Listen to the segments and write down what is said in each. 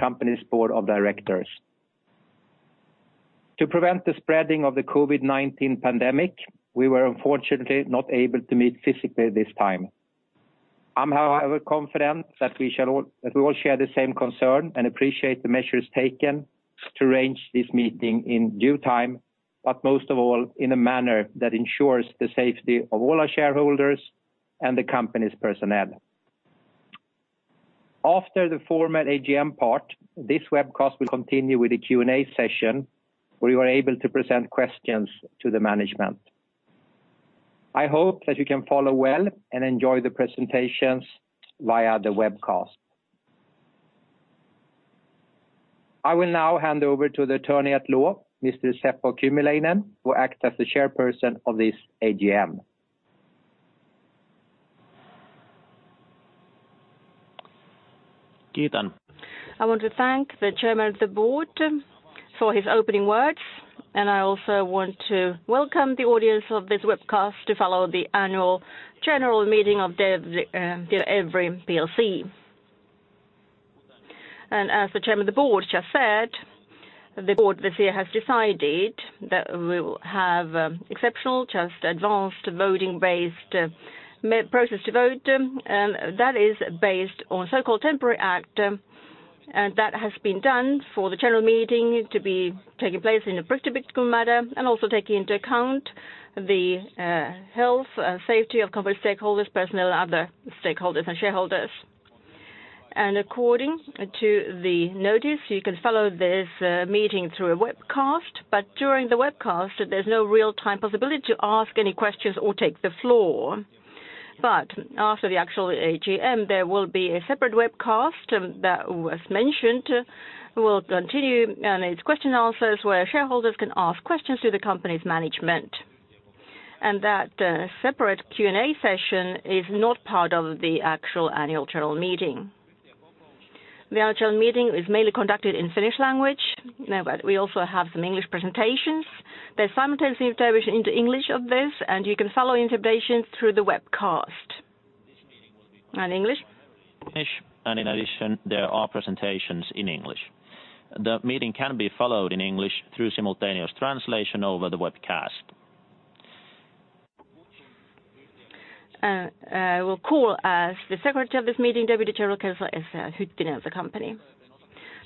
Company's Board of Directors. To prevent the spreading of the COVID-19 pandemic, we were unfortunately not able to meet physically this time. I'm, however, confident that we shall all, that we all share the same concern and appreciate the measures taken to arrange this meeting in due time, but most of all in a manner that ensures the safety of all our shareholders and the company's personnel. After the formal AGM part, this webcast will continue with a Q&A session where you are able to present questions to the management. I hope that you can follow well and enjoy the presentations via the webcast. I will now hand over to the Attorney at Law, Mr. Seppo Kymäläinen, who acts as the Chairperson of this AGM. Kiitän. I want to thank the Chairman of the Board for his opening words, and I also want to welcome the audience of this webcast to follow the Annual General Meeting of Tietoevry Plc. And as the Chairman of the Board just said, the Board this year has decided that we will have exceptional, just advanced voting-based process to vote, and that is based on a so-called Temporary Act. And that has been done for the general meeting to be taking place in a predictable manner and also taking into account the health and safety of company stakeholders, personnel, and other stakeholders and shareholders. And according to the notice, you can follow this meeting through a webcast, but during the webcast, there's no real-time possibility to ask any questions or take the floor. But after the actual AGM, there will be a separate webcast that was mentioned, will continue, and its question and answers where shareholders can ask questions to the company's management. That separate Q&A session is not part of the actual Annual General Meeting. The Annual General Meeting is mainly conducted in Finnish language, but we also have some English presentations. There is simultaneous interpretation into English of this, and you can follow interpretation through the webcast. And English? In addition, there are presentations in English. The meeting can be followed in English through simultaneous translation over the webcast. I will appoint Deputy General Counsel Esa Hyttinen of the company Tietoevry as the Secretary of this meeting. Tietoevry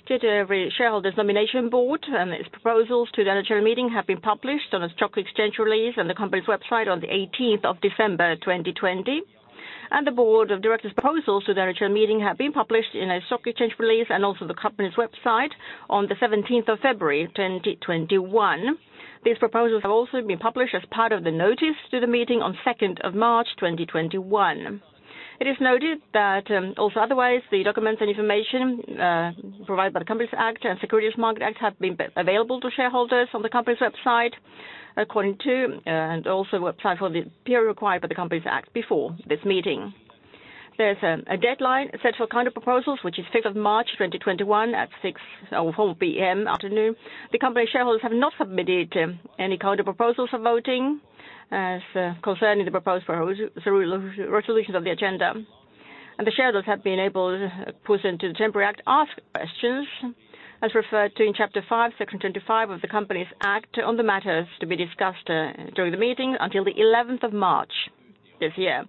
Shareholders' Nomination Board and its proposals to the Annual General Meeting have been published in a stock exchange release and the company's website on the 18th of December 2020. The Board of Directors' proposals to the Annual General Meeting have been published in a stock exchange release and also the company's website on the 17th of February 2021. These proposals have also been published as part of the notice to the meeting on 2nd of March 2021. It is noted that also otherwise the documents and information provided by the Companies Act and Securities Markets Act have been available to shareholders on the company's website according to the Companies Act and also on the website for the period required by the Companies Act before this meeting. There's a deadline set for counterproposals, which is 5th of March 2021 at 6:00 P.M. afternoon. The company shareholders have not submitted any counterproposals for voting concerning the proposed resolutions of the agenda, and the shareholders have been able to put into the Temporary Act, ask questions as referred to in Chapter 5, Section 25 of the Companies Act on the matters to be discussed during the meeting until the 11th of March this year.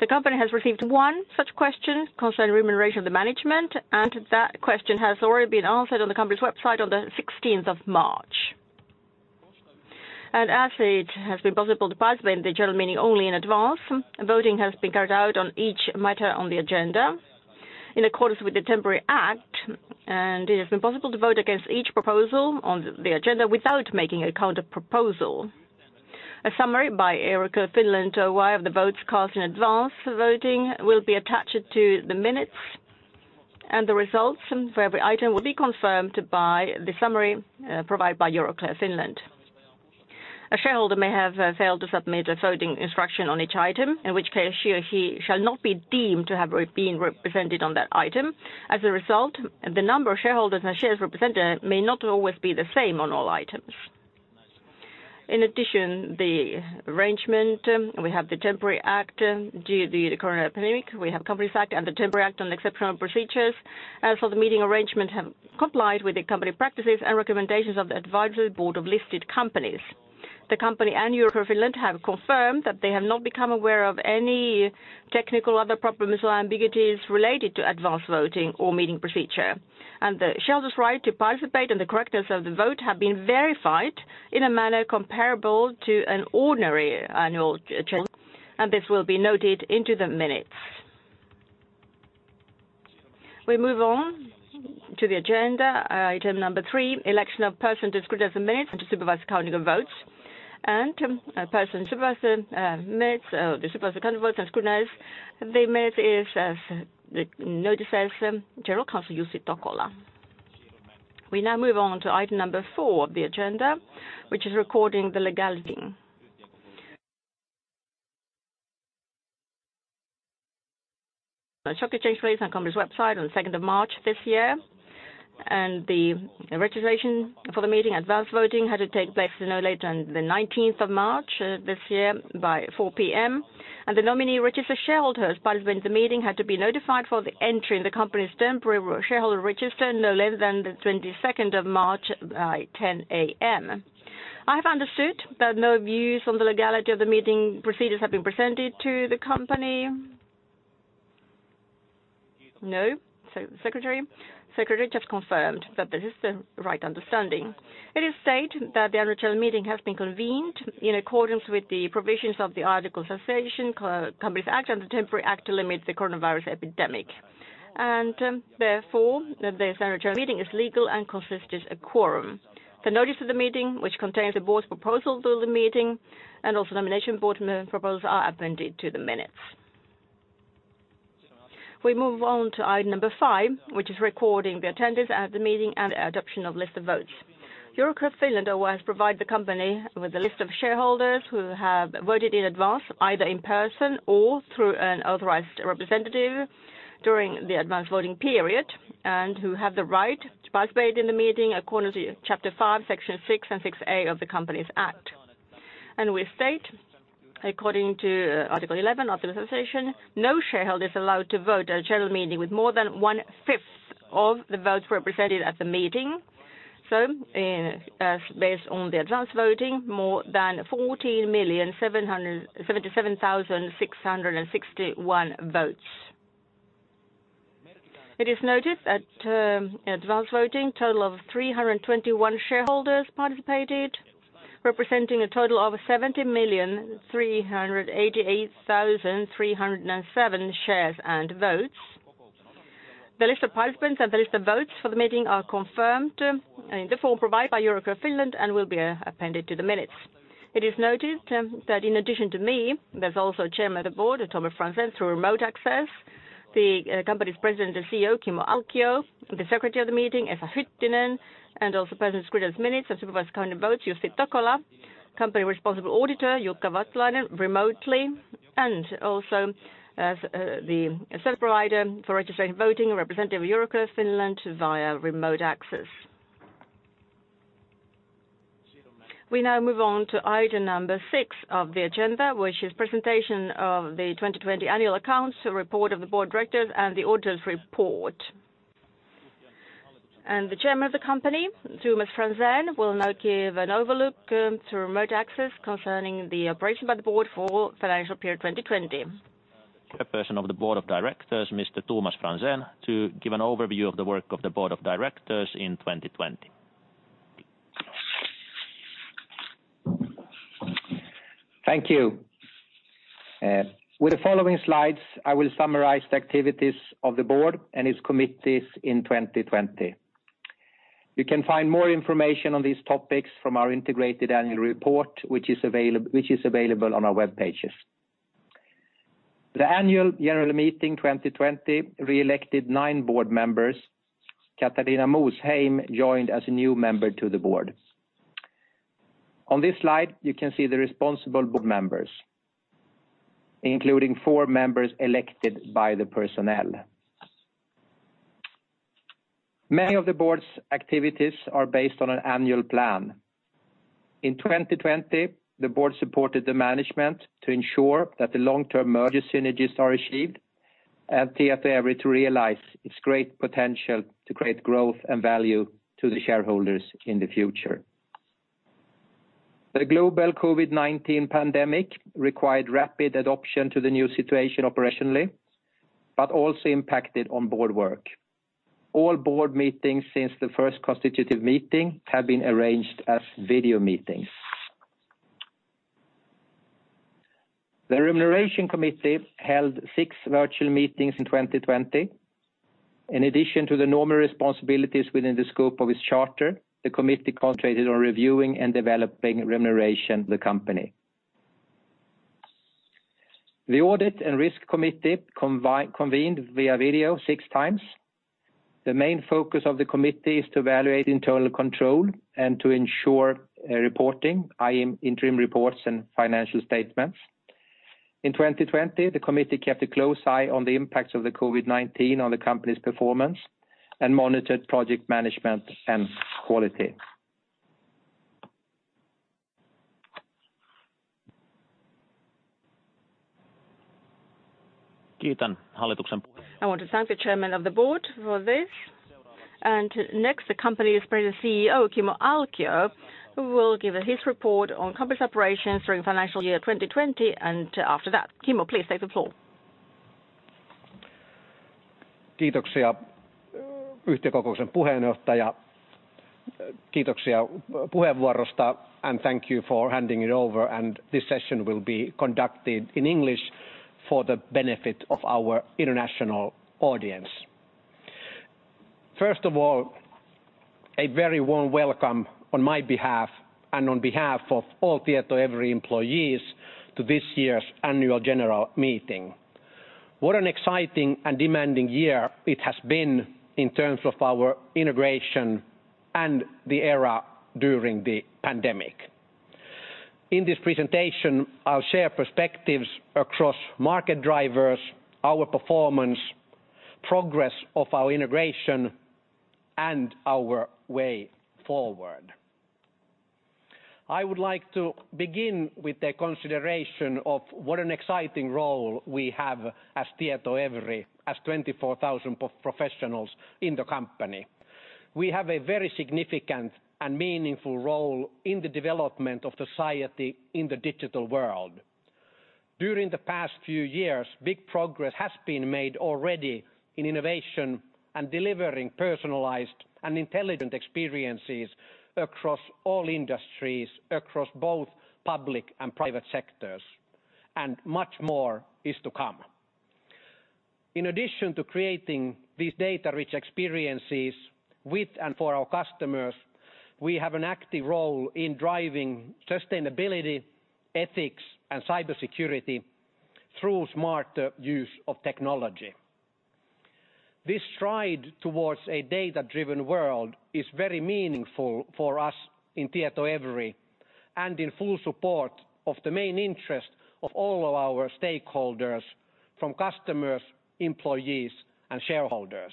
The company has received one such question concerning remuneration of the management, and that question has already been answered on the company's website on the 16th of March. And as it has been possible to participate in the general meeting only in advance, voting has been carried out on each matter on the agenda in accordance with the Temporary Act, and it has been possible to vote against each proposal on the agenda without making a counterproposal. A summary by Euroclear Finland of the votes cast in advance for voting will be attached to the minutes and the results for every item will be confirmed by the summary provided by Euroclear Finland. A shareholder may have failed to submit a voting instruction on each item, in which case he or she shall not be deemed to have been represented on that item. As a result, the number of shareholders and shares represented may not always be the same on all items. In addition, the arrangement we have the Temporary Act due to the corona pandemic. We have Companies Act and the Temporary Act on exceptional procedures as for the meeting arrangement have complied with the company practices and recommendations of the Advisory Board of Listed Companies. The company and Euroclear Finland have confirmed that they have not become aware of any technical other problems or ambiguities related to advance voting or meeting procedure. And the shareholders' right to participate in the correctness of the vote have been verified in a manner comparable to an ordinary annual. And this will be noted into the minutes. We move on to the agenda. Item number three, election of person to scrutinize the minutes and to supervise counting of votes and person. Supervisor minutes or to supervise the counting of votes and scrutinize the minutes is as noted as General Counsel Jussi Tokola. We now move on to item number four of the agenda, which is recording the legality. A stock exchange release on the company's website on the 2nd of March this year, and the registration for the meeting advance voting had to take place no later than the 19th of March this year by 4:00 P.M., and the nominee registered shareholders participating in the meeting had to be notified for the entry in the company's temporary shareholder register no later than the 22nd of March by 10:00 A.M. I have understood that no views on the legality of the meeting procedures have been presented to the company. No, Secretary. Secretary just confirmed that this is the right understanding. It is stated that the Annual General Meeting has been convened in accordance with the provisions of the Articles of Association, Companies Act, and the Temporary Act to limit the coronavirus epidemic. And therefore, this Annual General Meeting is legal and consists of a quorum. The notice of the meeting, which contains the Board's proposal to the meeting and also Nomination Board proposals, are appended to the minutes. We move on to item number five, which is recording the attendance at the meeting and adoption of list of votes. Euroclear Finland has provided the company with a list of shareholders who have voted in advance either in person or through an authorized representative during the advance voting period and who have the right to participate in the meeting according to Chapter 5, Section 6, and 6A of the Companies Act. And we state according to Article 11 of the association no shareholder is allowed to vote at a general meeting with more than one-fifth of the votes represented at the meeting. So based on the advance voting, more than 14,771,661 votes. It is noted that advance voting total of 321 shareholders participated representing a total of 70,388,307 shares and votes. The list of participants and the list of votes for the meeting are confirmed in the form provided by Euroclear Finland and will be appended to the minutes. It is noted that in addition to me, there's also the Chairman of the Board, Tomas Franzén, through remote access, the company's President and CEO, Kimmo Alkio, the Secretary of the Meeting, Esa Hyttinen, and also present to scrutinize minutes and supervise counting votes, Jussi Tokola, the Company's Responsible Auditor, Jukka Vattulainen remotely, and also as the service provider for registering voting, a representative of Euroclear Finland via remote access. We now move on to item number six of the agenda, which is presentation of the 2020 Annual Accounts report of the Board of Directors and the auditor's report. The Chairman of the Company, Tomas Franzén, will now give an overview through remote access concerning the operation by the Board for financial period 2020. Chairperson of the Board of Directors, Mr. Tomas Franzén, to give an overview of the work of the Board of Directors in 2020. Thank you. With the following slides, I will summarize the activities of the Board and its committees in 2020. You can find more information on these topics from our Integrated Annual Report, which is available on our web pages. The Annual General Meeting 2020 re-elected nine Board members. Katharina Mosheim joined as a new member to the Board. On this slide, you can see the responsible Board members, including four members elected by the personnel. Many of the Board's activities are based on an annual plan. In 2020, the Board supported the management to ensure that the long-term merger synergies are achieved and Tietoevry to realize its great potential to create growth and value to the shareholders in the future. The global COVID-19 pandemic required rapid adoption to the new situation operationally, but also impacted on Board work. All Board meetings since the first constitutive meeting have been arranged as video meetings. The Remuneration Committee held six virtual meetings in 2020. In addition to the normal responsibilities within the scope of its charter, the committee concentrated on reviewing and developing remuneration for the company. The Audit and Risk Committee convened via video six times. The main focus of the committee is to evaluate internal control and to ensure reporting, i.e., interim reports and financial statements. In 2020, the committee kept a close eye on the impacts of COVID-19 on the company's performance and monitored project management and quality. Kiitän. I want to thank the Chairman of the Board for this. Next, the company's President and CEO, Kimmo Alkio, who will give his report on the company's operations during financial year 2020. After that, Kimmo, please take the floor. Kiitoksia, yhtiökokouksen puheenjohtaja. Kiitoksia puheenvuorosta. And thank you for handing it over. And this session will be conducted in English for the benefit of our international audience. First of all, a very warm welcome on my behalf and on behalf of all Tietoevry employees to this year's Annual General Meeting. What an exciting and demanding year it has been in terms of our integration and the era during the pandemic. In this presentation, I'll share perspectives across market drivers, our performance, progress of our integration, and our way forward. I would like to begin with the consideration of what an exciting role we have as Tietoevry, as 24,000 professionals in the company. We have a very significant and meaningful role in the development of society in the digital world. During the past few years, big progress has been made already in innovation and delivering personalized and intelligent experiences across all industries, across both public and private sectors, and much more is to come. In addition to creating these data-rich experiences with and for our customers, we have an active role in driving sustainability, ethics, and cybersecurity through smarter use of technology. This stride towards a data-driven world is very meaningful for us in Tietoevry and in full support of the main interest of all of our stakeholders from customers, employees, and shareholders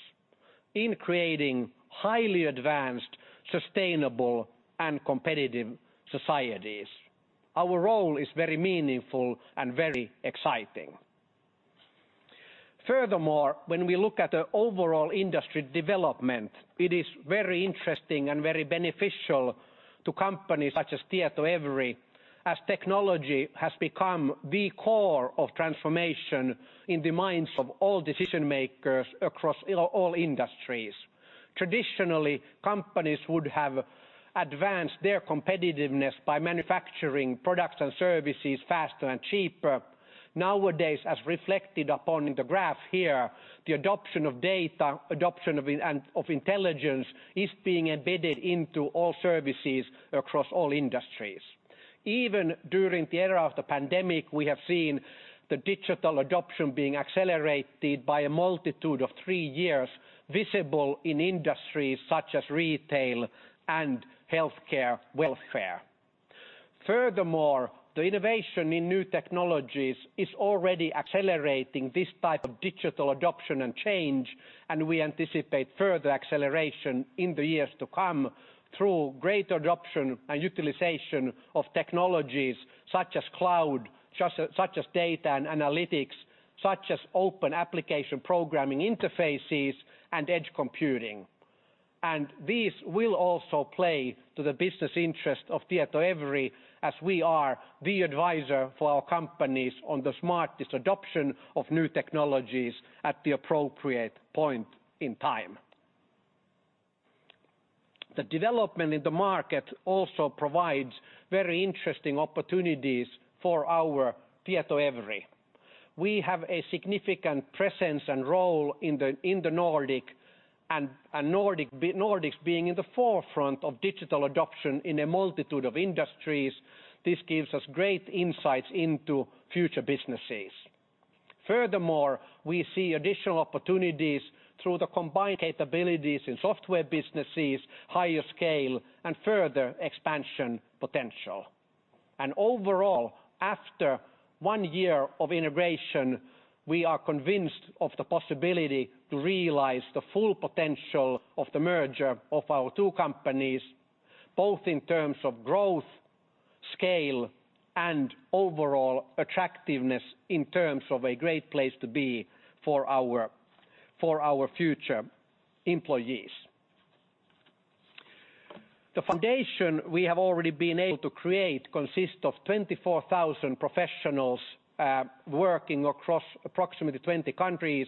in creating highly advanced, sustainable, and competitive societies. Our role is very meaningful and very exciting. Furthermore, when we look at the overall industry development, it is very interesting and very beneficial to companies such as Tietoevry as technology has become the core of transformation in the minds of all decision makers across all industries. Traditionally, companies would have advanced their competitiveness by manufacturing products and services faster and cheaper. Nowadays, as reflected upon in the graph here, the adoption of data, adoption of intelligence is being embedded into all services across all industries. Even during the era of the pandemic, we have seen the digital adoption being accelerated by a multitude of three years visible in industries such as retail and healthcare welfare. Furthermore, the innovation in new technologies is already accelerating this type of digital adoption and change, and we anticipate further acceleration in the years to come through greater adoption and utilization of technologies such as cloud, such as data and analytics, such as open application programming interfaces, and edge computing. These will also play to the business interest of Tietoevry as we are the advisor for our companies on the smartest adoption of new technologies at the appropriate point in time. The development in the market also provides very interesting opportunities for our Tietoevry. We have a significant presence and role in the Nordics, and Nordics being in the forefront of digital adoption in a multitude of industries, this gives us great insights into future businesses. Furthermore, we see additional opportunities through the combined capabilities in software businesses, higher scale, and further expansion potential. Overall, after one year of integration, we are convinced of the possibility to realize the full potential of the merger of our two companies, both in terms of growth, scale, and overall attractiveness in terms of a great place to be for our future employees. The foundation we have already been able to create consists of 24,000 professionals working across approximately 20 countries,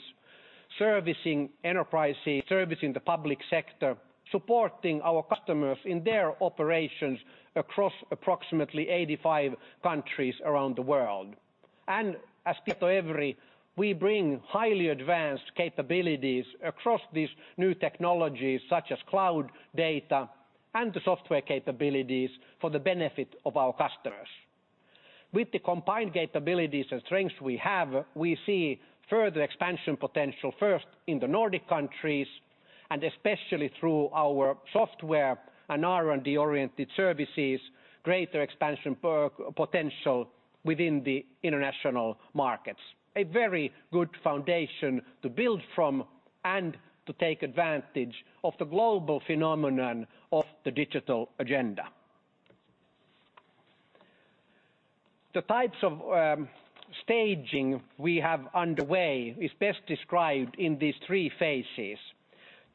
servicing enterprises, servicing the public sector, supporting our customers in their operations across approximately 85 countries around the world, and as Tietoevry, we bring highly advanced capabilities across these new technologies such as cloud, data, and the software capabilities for the benefit of our customers. With the combined capabilities and strengths we have, we see further expansion potential first in the Nordic countries and especially through our software and R&D-oriented services, greater expansion potential within the international markets. A very good foundation to build from and to take advantage of the global phenomenon of the digital agenda. The types of staging we have underway is best described in these three phases.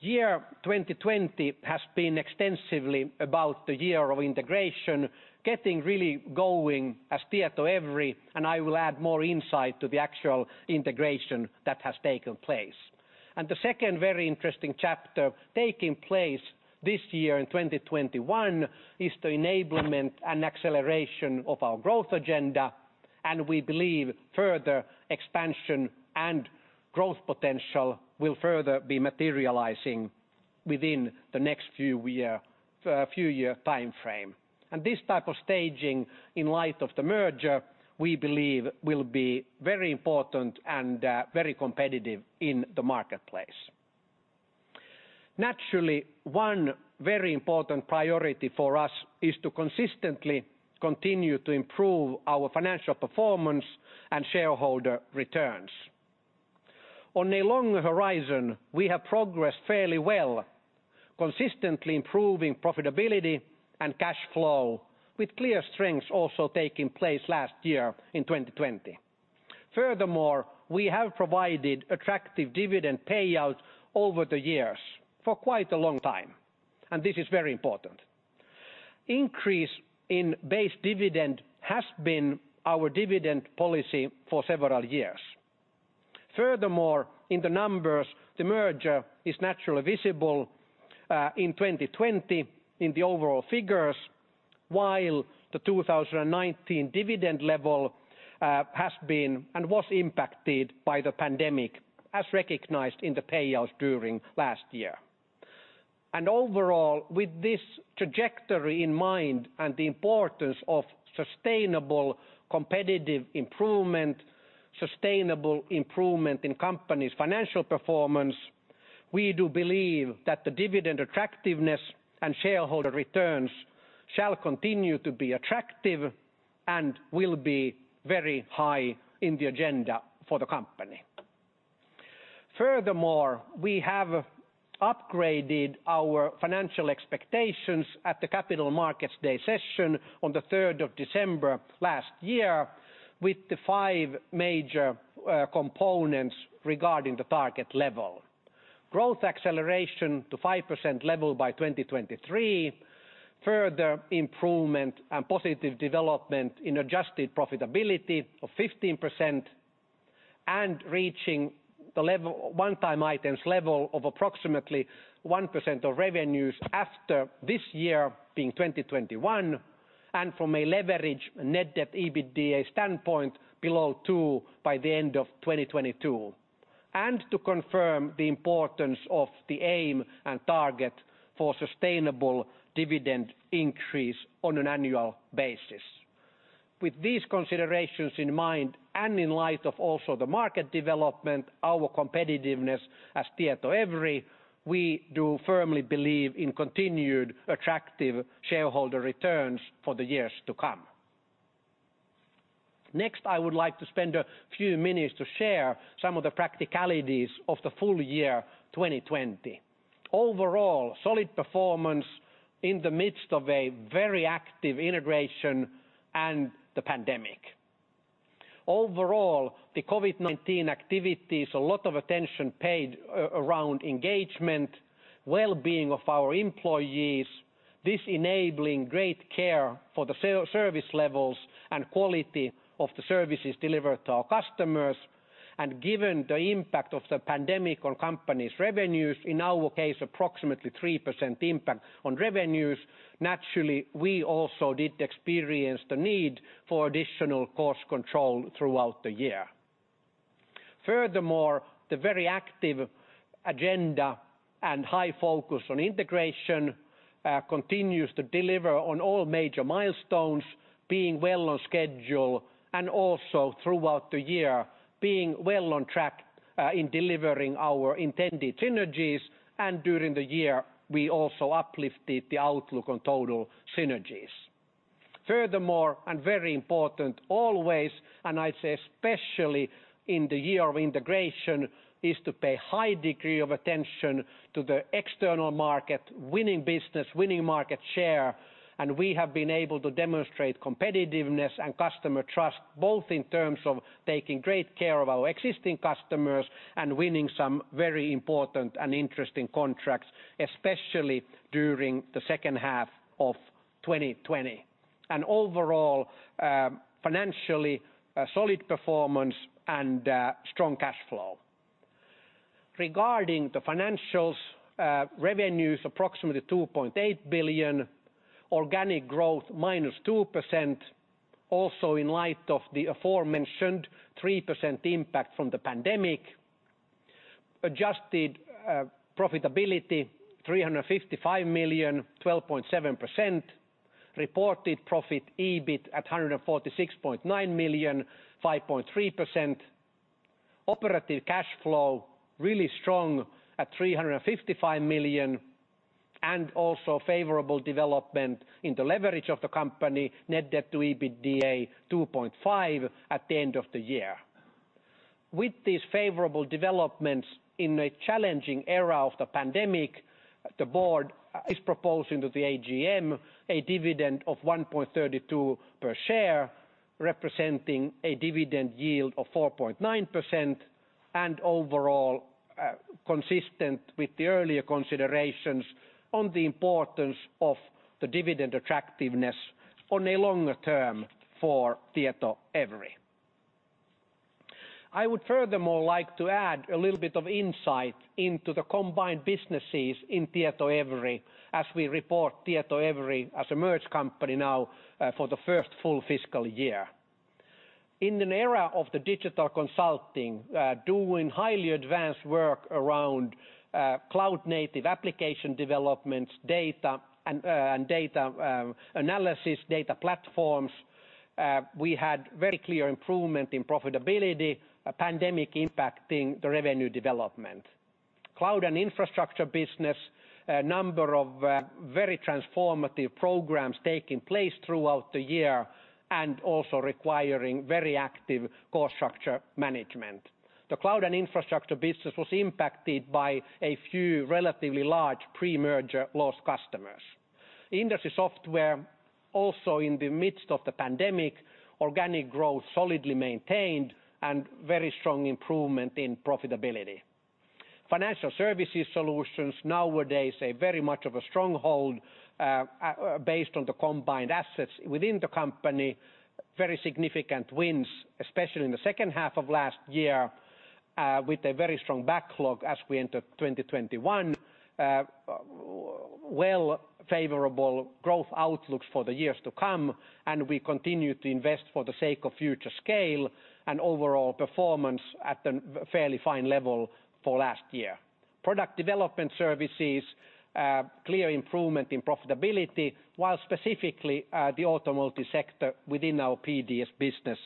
Year 2020 has been extensively about the year of integration, getting really going as Tietoevry, and I will add more insight to the actual integration that has taken place. And the second very interesting chapter taking place this year in 2021 is the enablement and acceleration of our growth agenda, and we believe further expansion and growth potential will further be materializing within the next few year time frame. And this type of staging in light of the merger, we believe will be very important and very competitive in the marketplace. Naturally, one very important priority for us is to consistently continue to improve our financial performance and shareholder returns. On a longer horizon, we have progressed fairly well, consistently improving profitability and cash flow with clear strengths also taking place last year in 2020. Furthermore, we have provided attractive dividend payouts over the years for quite a long time, and this is very important. Increase in base dividend has been our dividend policy for several years. Furthermore, in the numbers, the merger is naturally visible in 2020 in the overall figures, while the 2019 dividend level has been and was impacted by the pandemic, as recognized in the payouts during last year, and overall, with this trajectory in mind and the importance of sustainable competitive improvement, sustainable improvement in companies' financial performance, we do believe that the dividend attractiveness and shareholder returns shall continue to be attractive and will be very high in the agenda for the company. Furthermore, we have upgraded our financial expectations at the Capital Markets Day session on the 3rd of December last year with the five major components regarding the target level. Growth acceleration to 5% level by 2023, further improvement and positive development in adjusted profitability of 15%, and reaching the one-time items level of approximately 1% of revenues after this year being 2021, and from a leverage net debt EBITDA standpoint below 2 by the end of 2022, and to confirm the importance of the aim and target for sustainable dividend increase on an annual basis. With these considerations in mind and, in light of also the market development, our competitiveness as Tietoevry, we do firmly believe in continued attractive shareholder returns for the years to come. Next, I would like to spend a few minutes to share some of the practicalities of the full year 2020. Overall, solid performance in the midst of a very active integration and the pandemic. Overall, the COVID-19 activities, a lot of attention paid around engagement, well-being of our employees, this enabling great care for the service levels and quality of the services delivered to our customers, and given the impact of the pandemic on companies' revenues, in our case approximately 3% impact on revenues, naturally we also did experience the need for additional cost control throughout the year. Furthermore, the very active agenda and high focus on integration continues to deliver on all major milestones, being well on schedule and also throughout the year being well on track in delivering our intended synergies, and during the year we also uplifted the outlook on total synergies. Furthermore, and very important always, and I say especially in the year of integration, is to pay high degree of attention to the external market, winning business, winning market share, and we have been able to demonstrate competitiveness and customer trust both in terms of taking great care of our existing customers and winning some very important and interesting contracts, especially during the second half of 2020, and overall, financially solid performance and strong cash flow. Regarding the financials, revenues approximately 2.8 billion, organic growth minus 2%, also in light of the aforementioned 3% impact from the pandemic, adjusted profitability 355 million, 12.7%, reported profit EBIT at 146.9 million, 5.3%, operative cash flow really strong at 355 million, and also favorable development in the leverage of the company net debt to EBITDA 2.5 at the end of the year. With these favorable developments in a challenging era of the pandemic, the Board is proposing to the AGM a dividend of 1.32 per share, representing a dividend yield of 4.9%, and overall consistent with the earlier considerations on the importance of the dividend attractiveness on a longer term for Tietoevry. I would furthermore like to add a little bit of insight into the combined businesses in Tietoevry as we report Tietoevry as a merged company now for the first full fiscal year. In an era of the digital consulting doing highly advanced work around cloud-native application developments, data and data analysis, data platforms, we had very clear improvement in profitability, pandemic impacting the revenue development. Cloud and Infrastructure business, a number of very transformative programs taking place throughout the year and also requiring very active cost structure management. The cloud and infrastructure business was impacted by a few relatively large pre-merger lost customers. Industry Software also, in the midst of the pandemic, organic growth solidly maintained and very strong improvement in profitability. Financial Services Solutions nowadays are very much of a stronghold based on the combined assets within the company, very significant wins especially in the second half of last year with a very strong backlog as we entered 2021, well, favorable growth outlooks for the years to come, and we continue to invest for the sake of future scale and overall performance at a fairly fine level for last year. Product Development Services, clear improvement in profitability, while specifically the automotive sector within our PDS business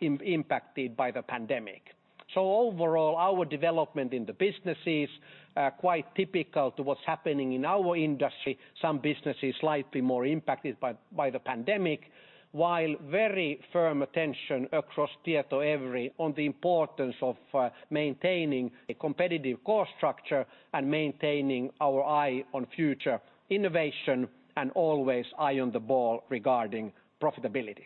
impacted by the pandemic. Overall, our development in the business is quite typical to what's happening in our industry, some businesses slightly more impacted by the pandemic, while very firm attention across Tietoevry on the importance of maintaining a competitive cost structure and maintaining our eye on future innovation and always eye on the ball regarding profitability.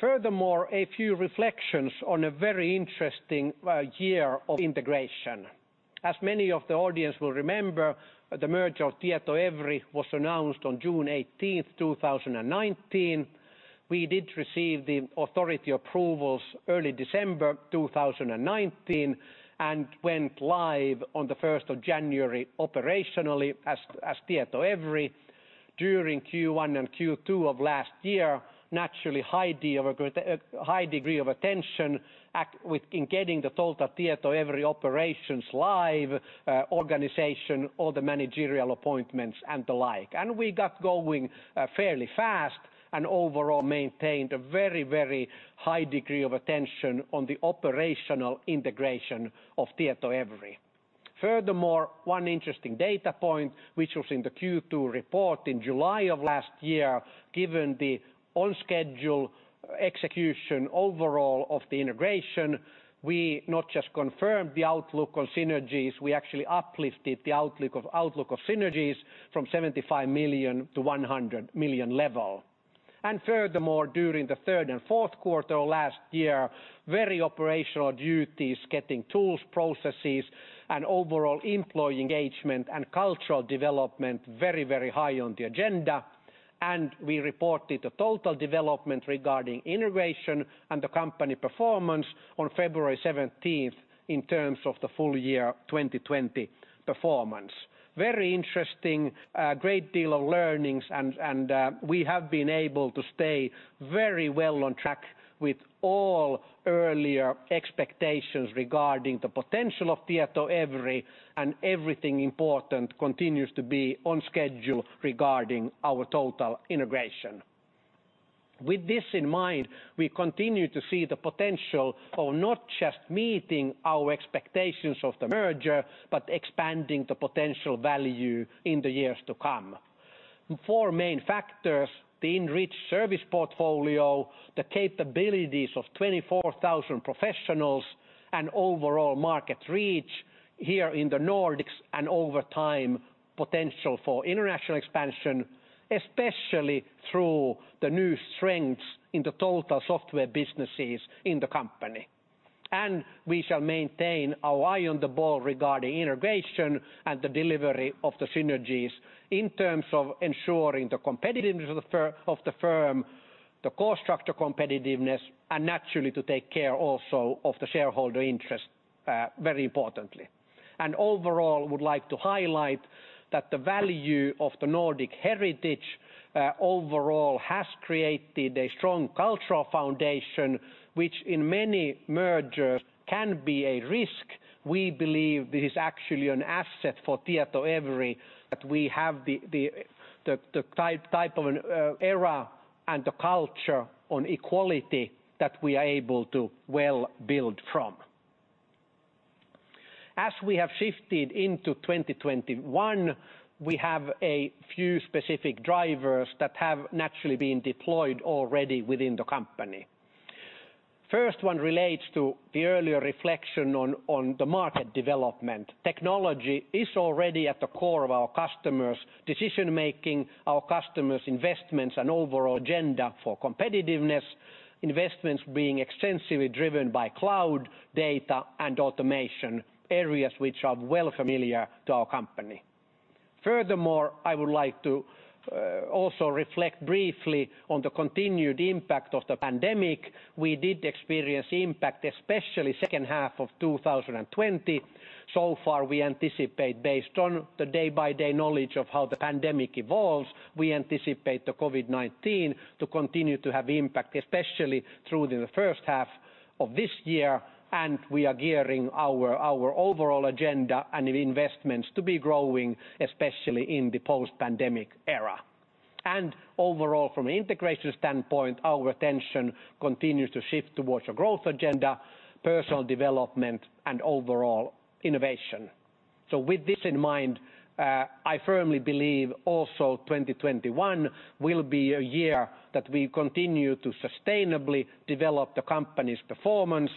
Furthermore, a few reflections on a very interesting year of integration. As many of the audience will remember, the merger of Tietoevry was announced on June 18, 2019. We did receive the authority approvals early December 2019 and went live on the 1st of January operationally as Tietoevry during Q1 and Q2 of last year, naturally high degree of attention in getting the Tietoevry operations live, organization, all the managerial appointments and the like, and we got going fairly fast and overall maintained a very, very high degree of attention on the operational integration of Tietoevry. Furthermore, one interesting data point, which was in the Q2 report in July of last year, given the on-schedule execution overall of the integration, we not just confirmed the outlook on synergies, we actually uplifted the outlook of synergies from 75 million to 100 million level, and furthermore, during the 3rd and 4th quarter of last year, very operational duties, getting tools, processes, and overall employee engagement and cultural development very, very high on the agenda, and we reported the total development regarding integration and the company performance on February 17 in terms of the full year 2020 performance. Very interesting, great deal of learnings, and we have been able to stay very well on track with all earlier expectations regarding the potential of Tietoevry, and everything important continues to be on schedule regarding our total integration. With this in mind, we continue to see the potential of not just meeting our expectations of the merger, but expanding the potential value in the years to come. Four main factors: the enriched service portfolio, the capabilities of 24,000 professionals, and overall market reach here in the Nordics, and over time potential for international expansion, especially through the new strengths in the total software businesses in the company. And we shall maintain our eye on the ball regarding integration and the delivery of the synergies in terms of ensuring the competitiveness of the firm, the cost structure competitiveness, and naturally to take care also of the shareholder interest very importantly. And overall, I would like to highlight that the value of the Nordic heritage overall has created a strong cultural foundation, which in many mergers can be a risk. We believe this is actually an asset for Tietoevry that we have the type of an era and the culture on equality that we are able to well build from. As we have shifted into 2021, we have a few specific drivers that have naturally been deployed already within the company. First one relates to the earlier reflection on the market development. Technology is already at the core of our customers' decision making, our customers' investments, and overall agenda for competitiveness, investments being extensively driven by cloud, data, and automation areas which are well familiar to our company. Furthermore, I would like to also reflect briefly on the continued impact of the pandemic. We did experience impact especially in the second half of 2020. So far, we anticipate based on the day-by-day knowledge of how the pandemic evolves, we anticipate the COVID-19 to continue to have impact especially through the first half of this year, and we are gearing our overall agenda and investments to be growing especially in the post-pandemic era. Overall, from an integration standpoint, our attention continues to shift towards a growth agenda, personal development, and overall innovation. With this in mind, I firmly believe also 2021 will be a year that we continue to sustainably develop the company's performance,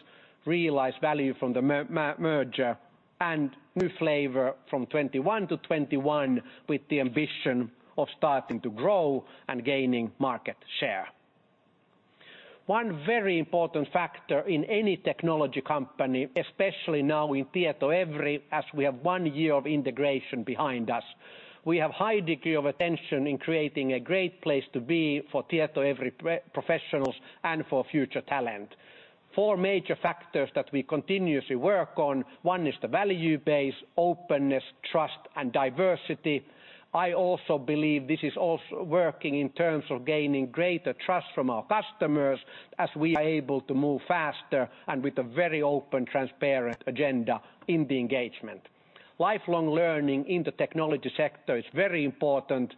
realize value from the merger, and new value from 2021 to 2021 with the ambition of starting to grow and gaining market share. One very important factor in any technology company, especially now in Tietoevry, as we have one year of integration behind us, we have a high degree of attention in creating a great place to be for Tietoevry professionals and for future talent. Four major factors that we continuously work on: one is the value base, openness, trust, and diversity. I also believe this is also working in terms of gaining greater trust from our customers as we are able to move faster and with a very open, transparent agenda in the engagement. Lifelong learning in the technology sector is very important,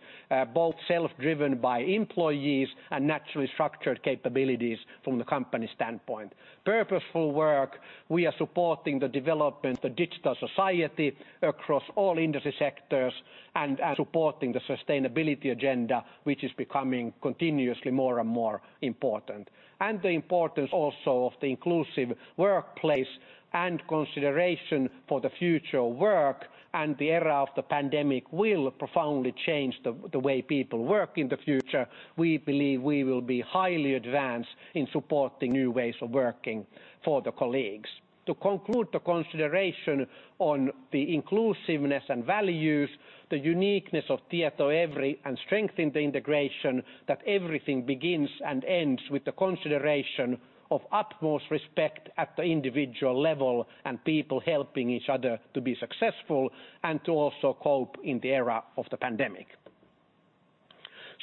both self-driven by employees and naturally structured capabilities from the company standpoint. Purposeful work, we are supporting the development of the digital society across all industry sectors and supporting the sustainability agenda, which is becoming continuously more and more important. And the importance also of the inclusive workplace and consideration for the future of work, and the era of the pandemic will profoundly change the way people work in the future. We believe we will be highly advanced in supporting new ways of working for the colleagues. To conclude the consideration on the inclusiveness and values, the uniqueness of Tietoevry and strengthen the integration that everything begins and ends with the consideration of utmost respect at the individual level and people helping each other to be successful and to also cope in the era of the pandemic.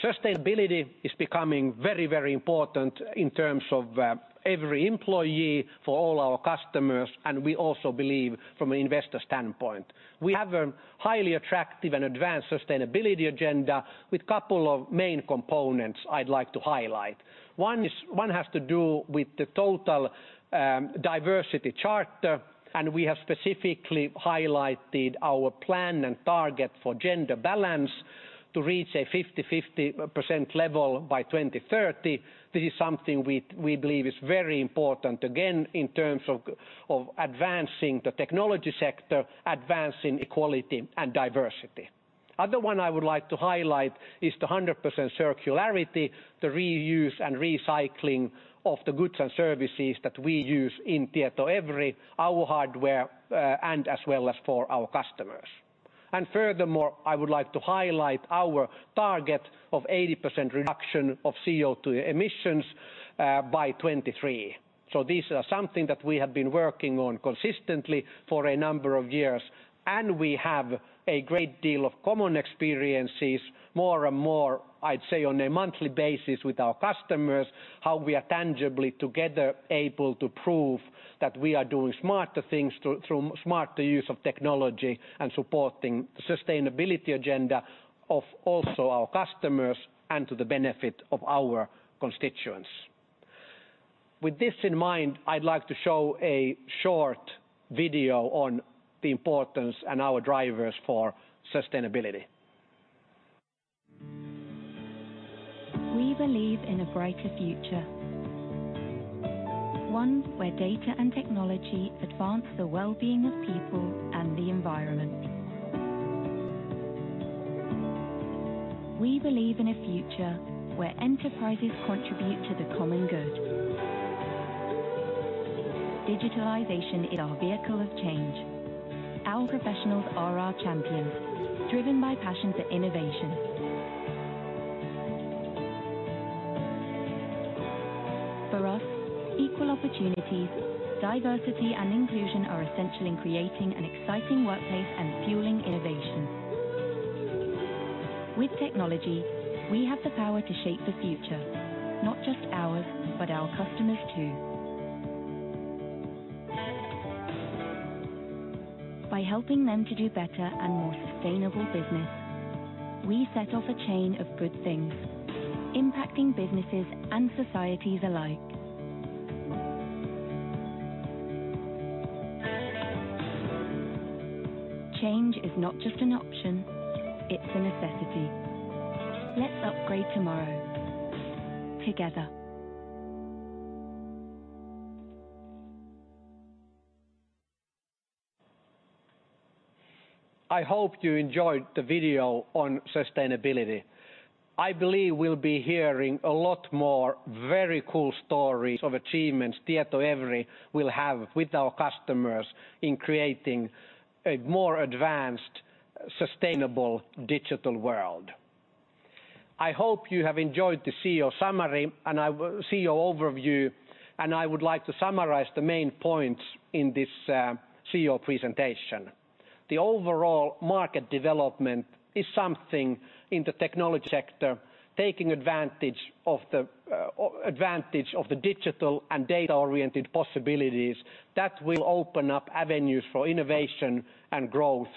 Sustainability is becoming very, very important in terms of every employee for all our customers, and we also believe from an investor standpoint. We have a highly attractive and advanced sustainability agenda with a couple of main components I'd like to highlight. One has to do with the total diversity charter, and we have specifically highlighted our plan and target for gender balance to reach a 50-50% level by 2030. This is something we believe is very important again in terms of advancing the technology sector, advancing equality and diversity. The other one I would like to highlight is the 100% circularity, the reuse and recycling of the goods and services that we use in Tietoevry, our hardware, and as well as for our customers, and furthermore, I would like to highlight our target of 80% reduction of CO2 emissions by 2023. So these are something that we have been working on consistently for a number of years, and we have a great deal of common experiences more and more. I'd say on a monthly basis with our customers, how we are tangibly together able to prove that we are doing smarter things through smarter use of technology and supporting the sustainability agenda of also our customers and to the benefit of our constituents. With this in mind, I'd like to show a short video on the importance and our drivers for sustainability. We believe in a brighter future, one where data and technology advance the well-being of people and the environment. We believe in a future where enterprises contribute to the common good. Digitalization is our vehicle of change. Our professionals are our champions, driven by passion for innovation. For us, equal opportunities, diversity, and inclusion are essential in creating an exciting workplace and fueling innovation. With technology, we have the power to shape the future, not just ours, but our customers too. By helping them to do better and more sustainable business, we set off a chain of good things, impacting businesses and societies alike. Change is not just an option, it's a necessity. Let's upgrade tomorrow, together. I hope you enjoyed the video on sustainability. I believe we'll be hearing a lot more very cool stories of achievements Tietoevry will have with our customers in creating a more advanced, sustainable digital world. I hope you have enjoyed the CEO Summary and our CEO Overview, and I would like to summarize the main points in this CEO presentation. The overall market development is something in the technology sector, taking advantage of the digital and data-oriented possibilities that will open up avenues for innovation and growth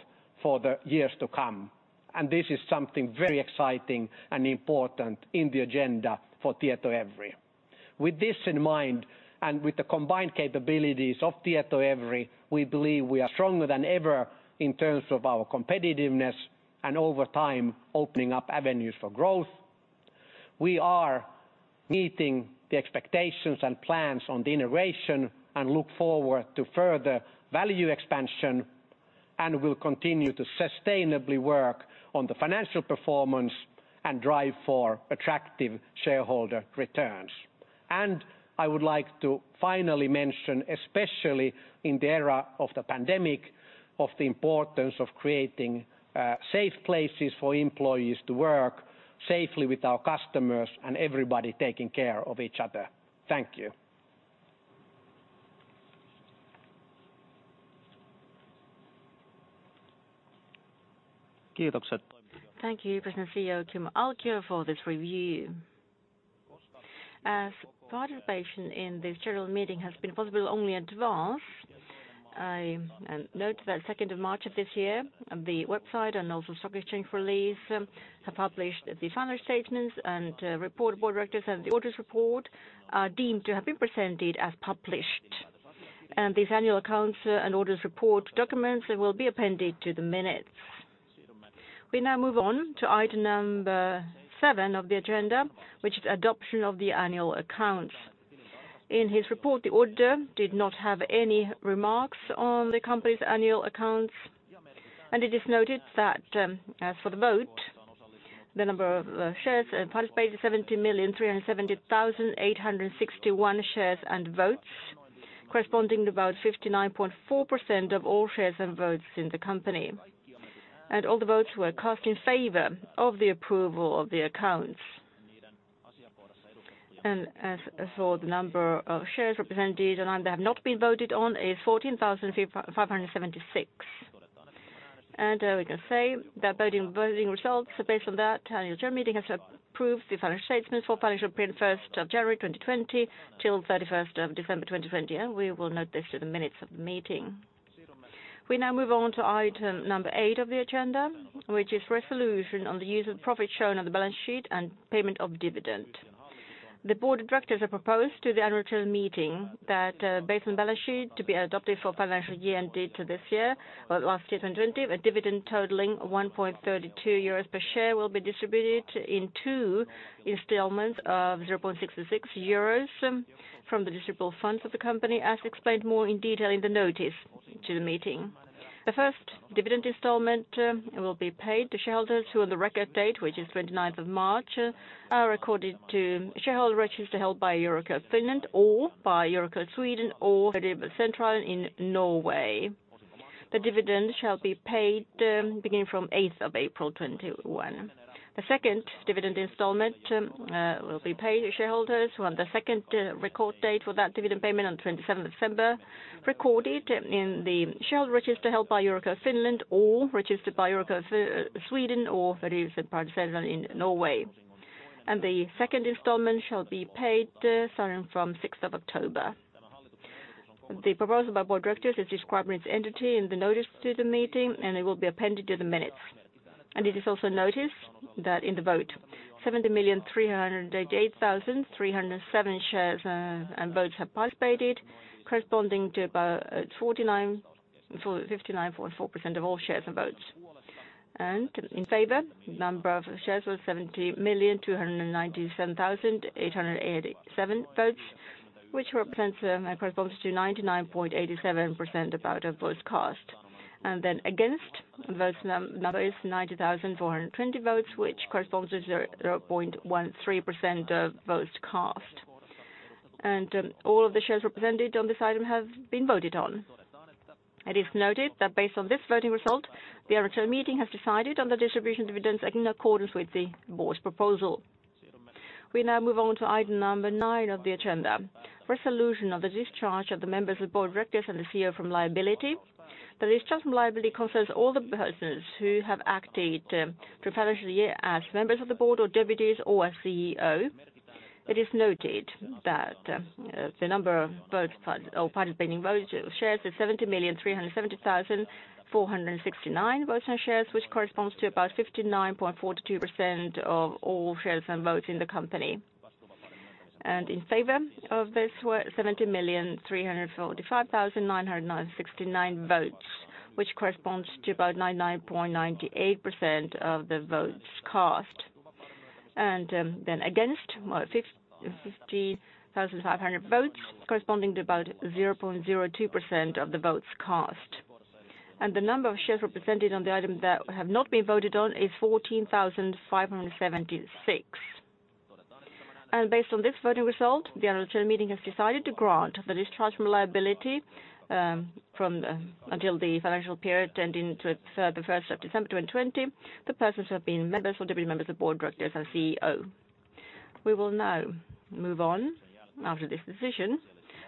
for the years to come. And this is something very exciting and important in the agenda for Tietoevry. With this in mind and with the combined capabilities of Tietoevry, we believe we are stronger than ever in terms of our competitiveness and over time opening up avenues for growth. We are meeting the expectations and plans on the innovation and look forward to further value expansion and will continue to sustainably work on the financial performance and drive for attractive shareholder returns. And I would like to finally mention, especially in the era of the pandemic, the importance of creating safe places for employees to work safely with our customers and everybody taking care of each other. Thank you. Kiitokset. Thank you, President and CEO Kimmo Alkio, for this review. As participation in this general meeting has been possible only in advance, I note that 2nd of March of this year, the website and also the stock exchange release have published the final statements, and the report of the Board of Directors and the auditor's report are deemed to have been presented as published, and these annual accounts and auditor's report documents will be appended to the minutes. We now move on to item number seven of the agenda, which is adoption of the annual accounts. In his report, the auditor did not have any remarks on the company's annual accounts, and it is noted that as for the vote, the number of participating shares and votes is 70,370,861 shares and votes, corresponding to about 59.4% of all shares and votes in the company. All the votes were cast in favor of the approval of the accounts. As for the number of shares represented and they have not been voted on is 14,576. We can say that voting results based on that Annual General Meeting has approved the financial statements for financial period 1st of January 2020 till 31st of December 2020, and we will note this to the minutes of the meeting. We now move on to item number eight of the agenda, which is resolution on the use of profit shown on the balance sheet and payment of dividend. The Board of directors have proposed to the Annual General Meeting that based on the balance sheet to be adopted for financial year and date to this year, last year 2020, a dividend totaling 1.32 euros per share will be distributed in two installments of 0.66 euros from the distributable funds of the company, as explained more in detail in the notice to the meeting. The first dividend installment will be paid to shareholders who on the record date, which is 29th of March, are recorded to shareholder register held by Euroclear Finland or by Euroclear Sweden or Euroclear Central in Norway. The dividend shall be paid beginning from 8th of April 2021. The second dividend installment will be paid to shareholders who on the second record date for that dividend payment on 27th of December, recorded in the shareholder register held by Euroclear Finland or registered by Euroclear Sweden or Euroclear Central in Norway. And the second installment shall be paid starting from 6th of October. The proposal by Board of Directors is described in its entirety in the notice to the meeting, and it will be appended to the minutes. And it is also noted that in the vote, 70,388,307 shares and votes have participated, corresponding to about 59.4% of all shares and votes. And in favor, the number of shares was 70,297,887 votes, which corresponds to 99.87% about of votes cast. And then against, the votes number is 90,420 votes, which corresponds to 0.13% of votes cast. And all of the shares represented on this item have been voted on. It is noted that based on this voting result, the Annual General Meeting has decided on the distribution of dividends in accordance with the Board's proposal. We now move on to item number nine of the agenda, resolution of the discharge of the members of the Board of Directors and the CEO from liability. The discharge from liability concerns all the persons who have acted through fiscal year as members of the Board or deputies or as CEO. It is noted that the number of votes or participating votes shares is 70,370,469 votes and shares, which corresponds to about 59.42% of all shares and votes in the company, and in favor of this were 70,345,969 votes, which corresponds to about 99.98% of the votes cast, and then against, 50,500 votes, corresponding to about 0.02% of the votes cast. The number of shares represented on the item that have not been voted on is 14,576. Based on this voting result, the Annual General Meeting has decided to grant the discharge from liability until the financial period ending on the 31st of December 2020 to the persons who have been members or deputy members of the Board of Directors and CEO. We will now move on after this decision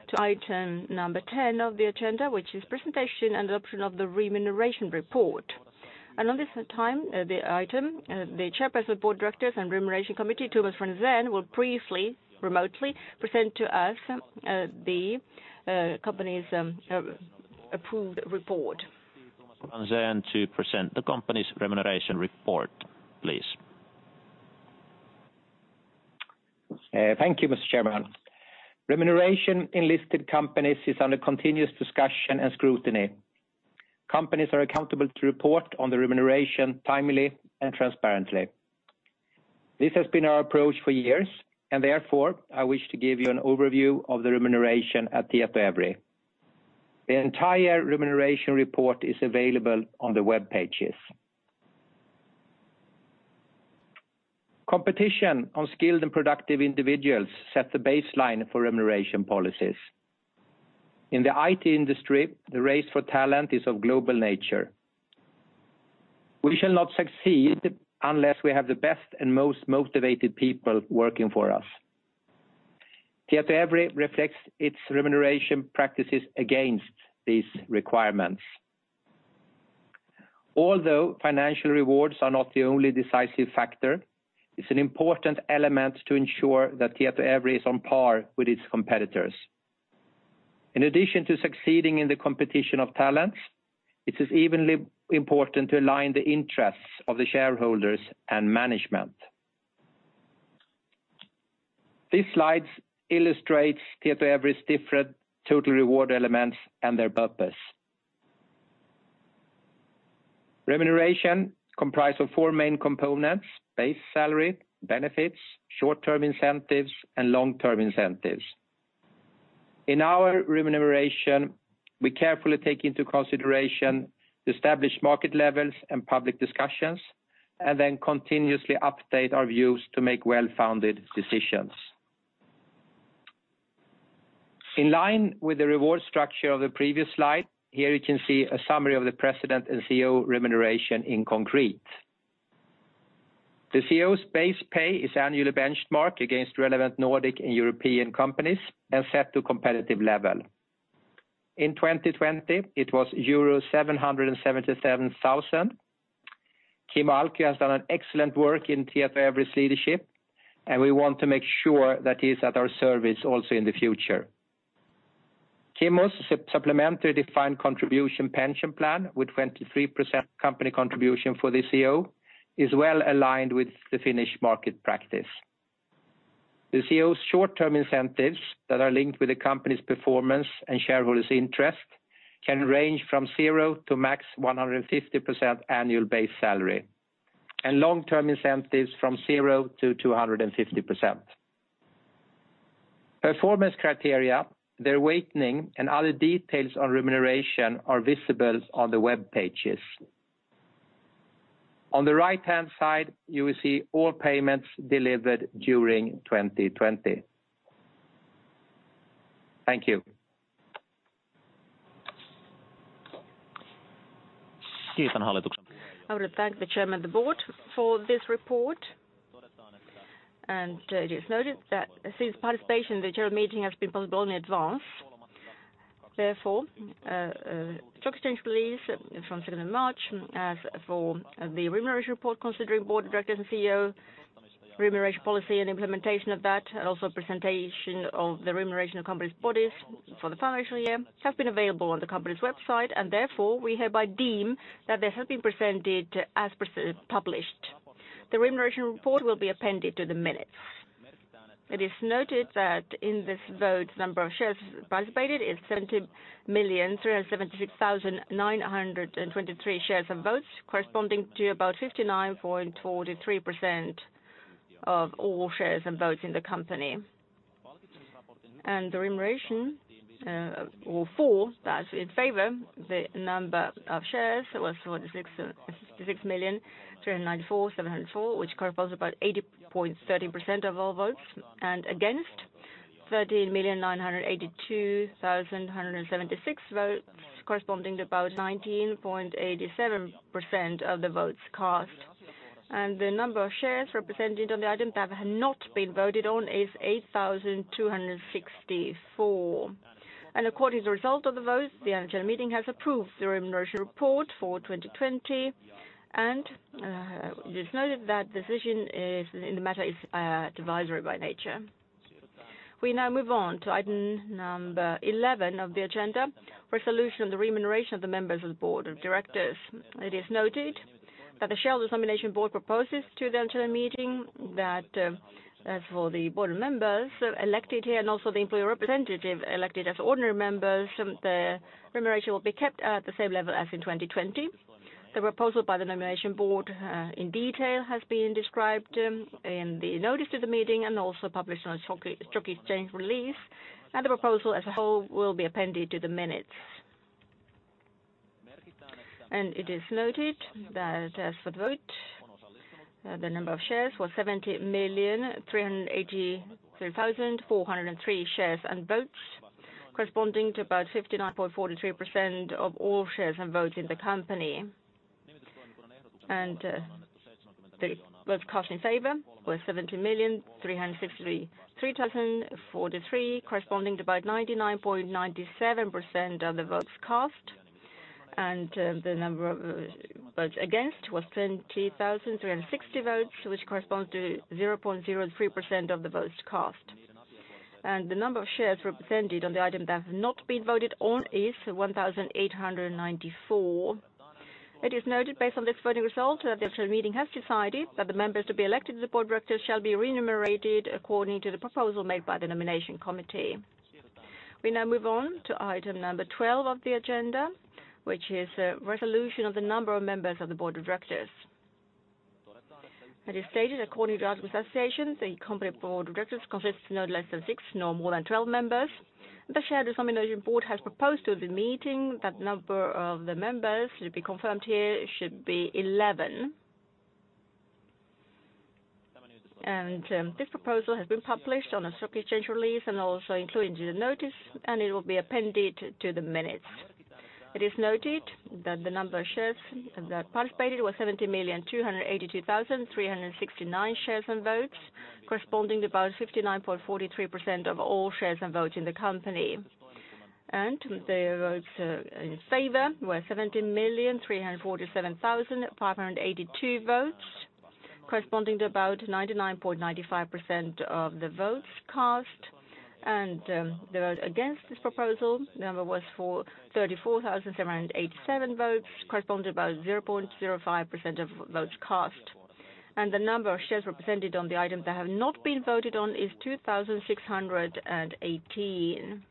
to item number 10 of the agenda, which is presentation and adoption of the remuneration report. On this item, the Chairperson of the Board of Directors and Remuneration Committee, Tomas Franzén, will briefly remotely present to us the company's approved report. Tomas Franzén, to present the company's remuneration report, please. Thank you, Mr. Chairman. Remuneration in listed companies is under continuous discussion and scrutiny. Companies are accountable to report on the remuneration timely and transparently. This has been our approach for years, and therefore I wish to give you an overview of the remuneration at Tietoevry. The entire remuneration report is available on the web pages. Competition on skilled and productive individuals sets the baseline for remuneration policies. In the IT industry, the race for talent is of global nature. We shall not succeed unless we have the best and most motivated people working for us. Tietoevry reflects its remuneration practices against these requirements. Although financial rewards are not the only decisive factor, it's an important element to ensure that Tietoevry is on par with its competitors. In addition to succeeding in the competition of talents, it is evenly important to align the interests of the shareholders and management. These slides illustrate Tietoevry's different total reward elements and their purpose. Remuneration comprises four main components: base salary, benefits, short-term incentives, and long-term incentives. In our remuneration, we carefully take into consideration established market levels and public discussions, and then continuously update our views to make well-founded decisions. In line with the reward structure of the previous slide, here you can see a summary of the President and CEO remuneration in concrete. The CEO's base pay is annually benchmarked against relevant Nordic and European companies and set to a competitive level. In 2020, it was euro 777,000. Kimmo Alkio has done excellent work in Tietoevry's leadership, and we want to make sure that he is at our service also in the future. Kimmo's supplementary defined contribution pension plan with 23% company contribution for the CEO is well aligned with the Finnish market practice. The CEO's short-term incentives that are linked with the company's performance and shareholders' interest can range from 0 to max 150% annual base salary, and long-term incentives from 0 to 250%. Performance criteria, their weighting, and other details on remuneration are visible on the web pages. On the right-hand side, you will see all payments delivered during 2020. Thank you. Kiitän hallituksen puheenjohtajaa. I would like to thank the chairman of the Board for this report. And it is noted that since participation in the general meeting has been possible only in advance, therefore stock exchange release from 2nd of March for the remuneration report considering Board of Directors and CEO remuneration policy and implementation of that, and also presentation of the remuneration of company's bodies for the financial year have been available on the company's website, and therefore we hereby deem that this has been presented as published. The remuneration report will be appended to the minutes. It is noted that in this vote, the number of shares participated is 70,376,923 shares and votes, corresponding to about 59.43% of all shares and votes in the company. And the remuneration for that in favor, the number of shares was 46,394,704, which corresponds to about 80.13% of all votes, and against 13,982,176 votes, corresponding to about 19.87% of the votes cast. And the number of shares represented on the item that have not been voted on is 8,264. And according to the result of the vote, the Annual General Meeting has approved the remuneration report for 2020, and it is noted that the decision in the matter is advisory by nature. We now move on to item number 11 of the agenda, resolution of the remuneration of the members of the Board of directors. It is noted that the Shareholders' Nomination Board proposes to the Annual General Meeting that as for the Board members elected here and also the employee representative elected as ordinary members, the remuneration will be kept at the same level as in 2020. The proposal by the Nomination Board in detail has been described in the notice to the meeting and also published on the stock exchange release, and the proposal as well will be appended to the minutes. And it is noted that as for the vote, the number of shares was 70,383,403 shares and votes, corresponding to about 59.43% of all shares and votes in the company. And the votes cast in favor were 70,363,043, corresponding to about 99.97% of the votes cast, and the number of votes against was 20,360 votes, which corresponds to 0.03% of the votes cast. The number of shares represented on the item that have not been voted on is 1,894. It is noted based on this voting result that the Annual General Meeting has decided that the members to be elected to the Board of Directors shall be remunerated according to the proposal made by the Nomination Committee. We now move on to item number 12 of the agenda, which is resolution of the number of members of the Board of Directors. It is stated according to the Articles of Association, the company's Board of Directors consists of no less than six nor more than 12 members, and the Shareholders' Nomination Board has proposed to the meeting that the number of the members to be confirmed here should be 11. This proposal has been published on the stock exchange release and also included in the notice, and it will be appended to the minutes. It is noted that the number of shares that participated was 70,282,369 shares and votes, corresponding to about 59.43% of all shares and votes in the company. The votes in favor were 70,347,582 votes, corresponding to about 99.95% of the votes cast, and the votes against this proposal, the number was 34,787 votes, corresponding to about 0.05% of votes cast. The number of shares represented on the item that have not been voted on is 2,618.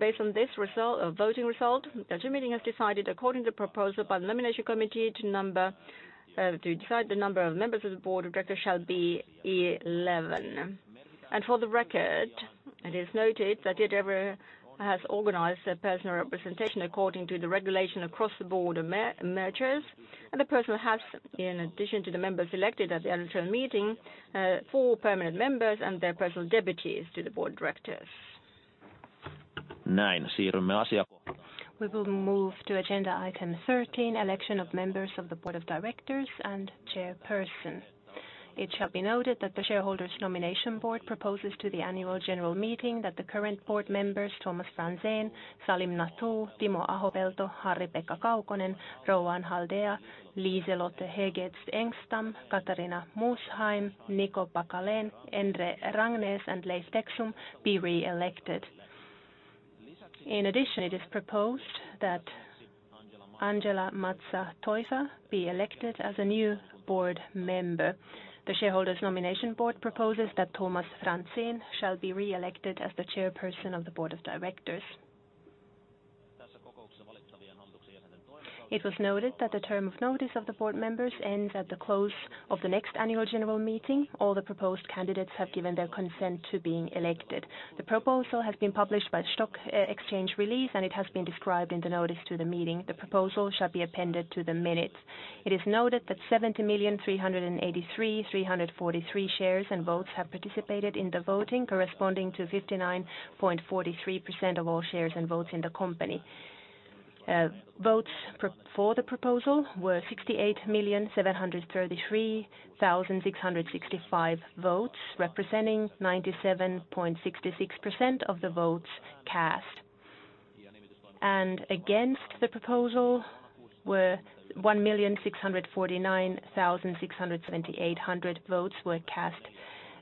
Based on this result of voting result, the Annual General Meeting has decided according to the proposal by the Nomination Committee to decide the number of members of the Board of directors shall be eleven. For the record, it is noted that Tietoevry has organized their personal representation according to the regulation across the Board of mergers, and the person has, in addition to the members elected at the Annual General Meeting, four permanent members and their personal deputies to the Board of directors. Näin. Siirrymme asiakohtaan. We will move to agenda item 13, election of members of the board of directors and chairperson. It shall be noted that the Shareholders' Nomination Board proposes to the Annual General Meeting that the current board members Tomas Franzén, Salim Nathoo, Timo Ahopelto, Harri-Pekka Kaukonen, Rohan Haldea, Liselotte Hägertz Engstam, Katharina Mosheim, Niko Pakalén, Endre Ragnes and Leif Teksum be re-elected. In addition, it is proposed that Angela Mazza Teufer be elected as a new board member. The Shareholders' Nomination Board proposes that Tomas Franzén shall be re-elected as the Chairperson of the Board of Directors. It was noted that the term of notice of the board members ends at the close of the next Annual General Meeting. All the proposed candidates have given their consent to being elected. The proposal has been published by the stock exchange release, and it has been described in the notice to the meeting. The proposal shall be appended to the minutes. It is noted that 70,383,343 shares and votes have participated in the voting, corresponding to 59.43% of all shares and votes in the company. Votes for the proposal were 68,733,665 votes, representing 97.66% of the votes cast. And against the proposal were 1,649,600. 7,800 votes were cast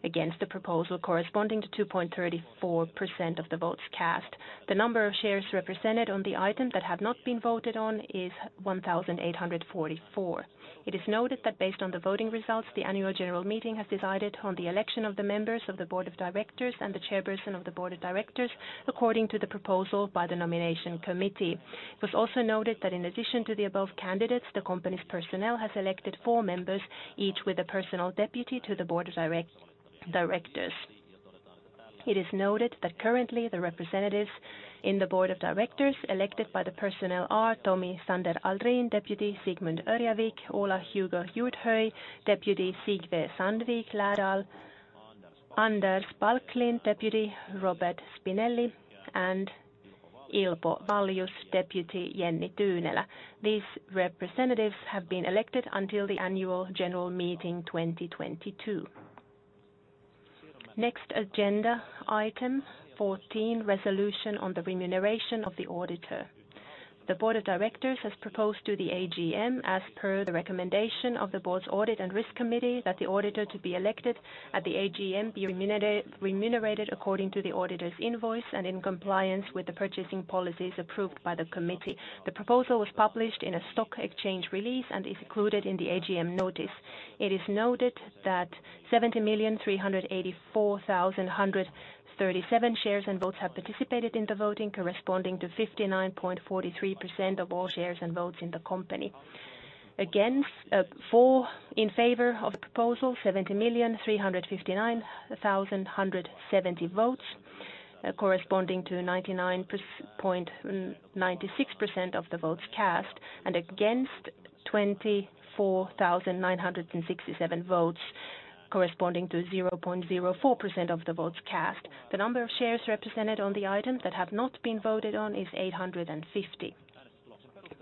against the proposal, corresponding to 2.34% of the votes cast. The number of shares represented on the item that have not been voted on is 1,844. It is noted that based on the voting results, the Annual General Meeting has decided on the election of the members of the Board of Directors and the Chairperson of the Board of Directors, according to the proposal by the Nomination Committee. It was also noted that in addition to the above candidates, the company's personnel has elected four members, each with a personal deputy to the Board of Directors. It is noted that currently the representatives in the Board of Directors elected by the personnel are Tommy Sander Aldrin, deputy; Sigmund Ørjavik, Ola Hugo Jordhøy, deputy; Sigve Sandvik, Läral; Anders Palklint, deputy; Robert Spinelli; and Ilpo Waljus, deputy; Jenni Tyynelä. These representatives have been elected until the Annual General Meeting 2022. Next, agenda item 14: resolution on the remuneration of the auditor. The Board of Directors has proposed to the AGM, as per the recommendation of the board's Audit and Risk Committee, that the auditor to be elected at the AGM be remunerated according to the auditor's invoice and in compliance with the purchasing policies approved by the committee. The proposal was published in a stock exchange release and is included in the AGM notice. It is noted that 70,384,137 shares and votes have participated in the voting, corresponding to 59.43% of all shares and votes in the company. For the proposal, 70,359,170 votes, corresponding to 99.96% of the votes cast, and against 24,967 votes, corresponding to 0.04% of the votes cast. The number of shares represented on the item that have not been voted on is 850.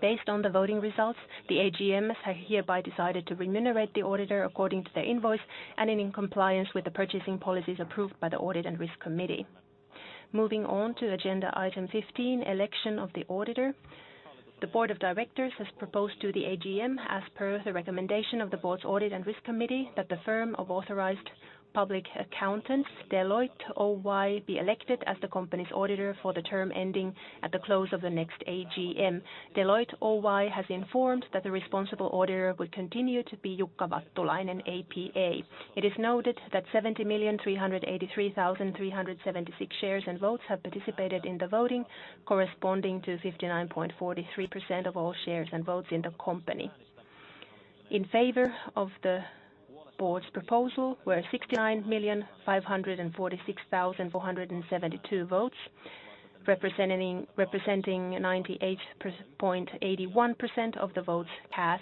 Based on the voting results, the AGM has hereby decided to remunerate the auditor according to their invoice and in compliance with the purchasing policies approved by the Audit and Risk Committee. Moving on to agenda item 15, election of the auditor. The board of directors has proposed to the AGM, as per the recommendation of the board's Audit and Risk Committee, that the firm of authorized public accountants, Deloitte Oy, be elected as the company's auditor for the term ending at the close of the next AGM. Deloitte Oy has informed that the responsible auditor would continue to be Jukka Vattulainen, APA. It is noted that 70,383,376 shares and votes have participated in the voting, corresponding to 59.43% of all shares and votes in the company. In favor of the board's proposal were 69,546,472 votes, representing 98.81% of the votes cast,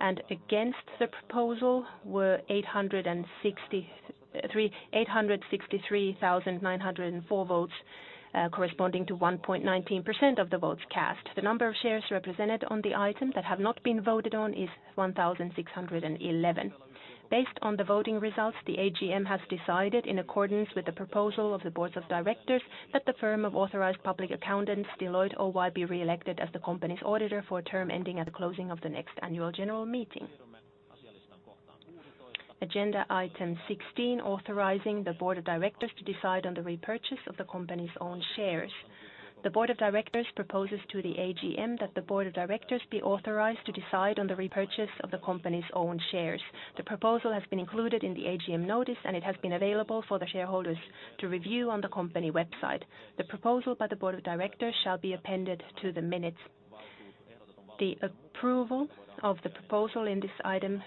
and against the proposal were 863,904 votes, corresponding to 1.19% of the votes cast. The number of shares represented on the item that have not been voted on is 1,611. Based on the voting results, the AGM has decided in accordance with the proposal of the board of directors that the firm of authorized public accountants, Deloitte Oy, be re-elected as the company's auditor for a term ending at the closing of the next Annual General Meeting. Agenda item 16, authorizing the board of directors to decide on the repurchase of the company's own shares. The board of directors proposes to the AGM that the board of directors be authorized to decide on the repurchase of the company's own shares. The proposal has been included in the AGM notice, and it has been available for the shareholders to review on the company website. The proposal by the board of directors shall be appended to the minutes. The approval of the proposal in this item,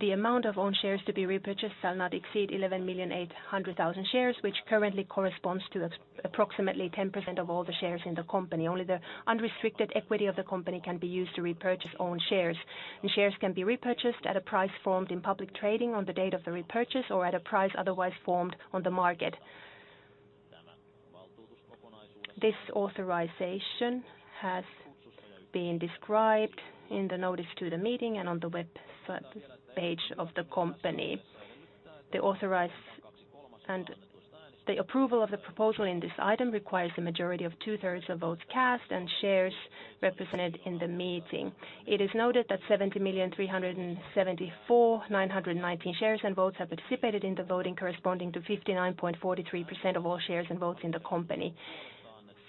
the amount of own shares to be repurchased shall not exceed 11,800,000 shares, which currently corresponds to approximately 10% of all the shares in the company. Only the unrestricted equity of the company can be used to repurchase own shares. The shares can be repurchased at a price formed in public trading on the date of the repurchase or at a price otherwise formed on the market. This authorization has been described in the notice to the meeting and on the web page of the company. The authorization and the approval of the proposal in this item requires the majority of two-thirds of votes cast and shares represented in the meeting. It is noted that 70,374,919 shares and votes have participated in the voting, corresponding to 59.43% of all shares and votes in the company.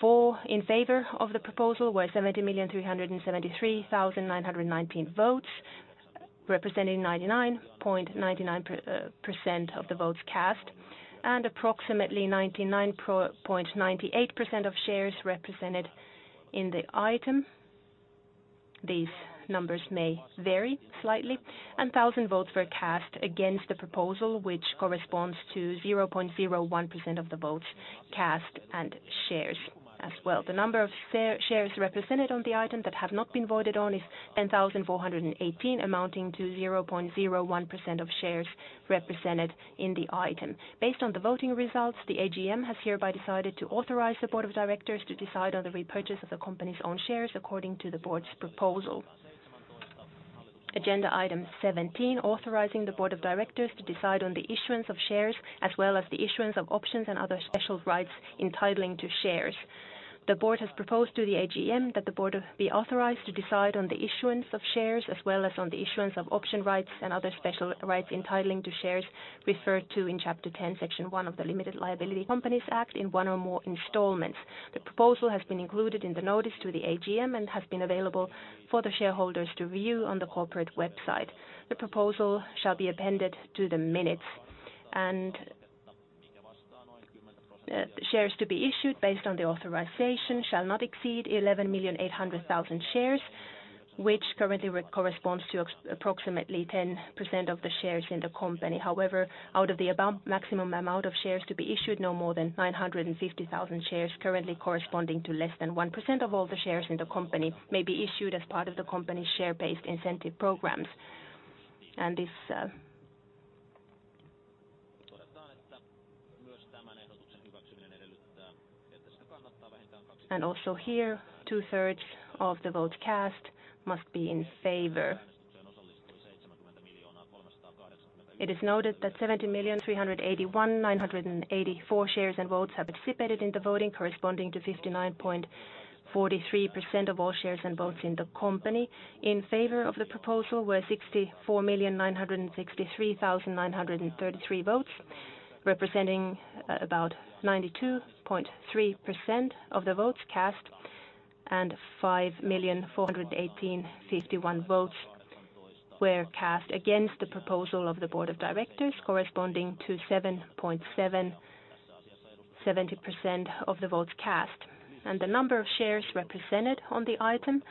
Votes in favor of the proposal were 70,373,919 votes, representing 99.99% of the votes cast, and approximately 99.98% of shares represented in the item. These numbers may vary slightly, and 1,000 votes were cast against the proposal, which corresponds to 0.01% of the votes cast and shares as well. The number of shares represented on the item that have not been voted on is 10,418, amounting to 0.01% of shares represented in the item. Based on the voting results, the AGM has hereby decided to authorize the board of directors to decide on the repurchase of the company's own shares according to the board's proposal. Agenda item 17, authorizing the board of directors to decide on the issuance of shares as well as the issuance of options and other special rights entitling to shares. The board has proposed to the AGM that the board be authorized to decide on the issuance of shares as well as on the issuance of option rights and other special rights entitling to shares referred to in Chapter 10, Section 1 of the Limited Liability Companies Act in one or more installments. The proposal has been included in the notice to the AGM and has been available for the shareholders to view on the corporate website. The proposal shall be appended to the minutes. Shares to be issued based on the authorization shall not exceed 11,800,000 shares, which currently corresponds to approximately 10% of the shares in the company. However, out of the above maximum amount of shares to be issued, no more than 950,000 shares currently corresponding to less than 1% of all the shares in the company may be issued as part of the company's share-based incentive programs. Todetaan, että myös tämän ehdotuksen hyväksyminen edellyttää, että sitä kannattaa vähintään. And also here, two-thirds of the votes cast must be in favor. It is noted that 70,381,984 shares and votes have participated in the voting, corresponding to 59.43% of all shares and votes in the company. In favor of the proposal were 64,963,933 votes, representing about 92.3% of the votes cast, and 5,418,051 votes were cast against the proposal of the board of directors, corresponding to 7.7% of the votes cast. And the number of shares represented on the item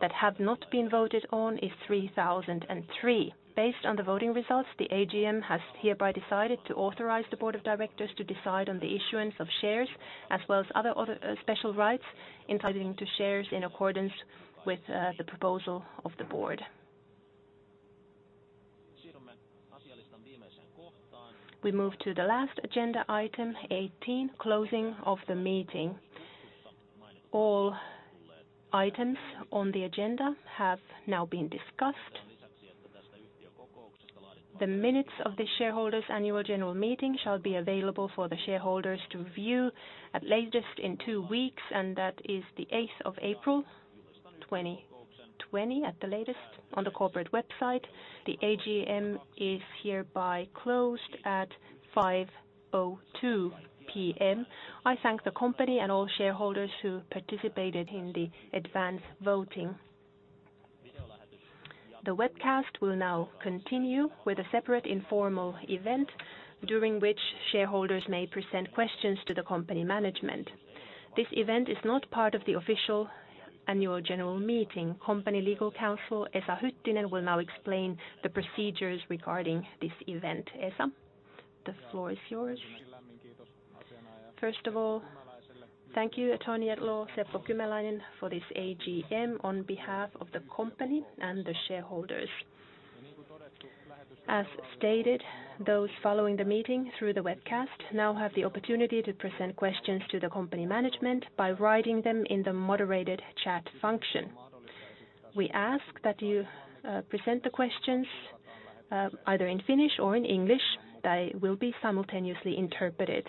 that have not been voted on is 3,003. Based on the voting results, the AGM has hereby decided to authorize the board of directors to decide on the issuance of shares as well as other special rights entitling to shares in accordance with the proposal of the board. We move to the last agenda item 18, closing of the meeting. All items on the agenda have now been discussed. The minutes of the shareholders' Annual General Meeting shall be available for the shareholders to view at latest in two weeks, and that is the 8th of April 2020 at the latest. On the corporate website, the AGM is hereby closed at 5:02 P.M. I thank the company and all shareholders who participated in the advance voting. The webcast will now continue with a separate informal event during which shareholders may present questions to the company management. This event is not part of the official Annual General Meeting. Company legal counsel Esa Hyttinen will now explain the procedures regarding this event. Esa, the floor is yours. Kiitos. First of all, thank you Attorney at Law Seppo Kymäläinen for this AGM on behalf of the company and the shareholders. As stated, those following the meeting through the webcast now have the opportunity to present questions to the company management by writing them in the moderated chat function. We ask that you present the questions either in Finnish or in English. They will be simultaneously interpreted.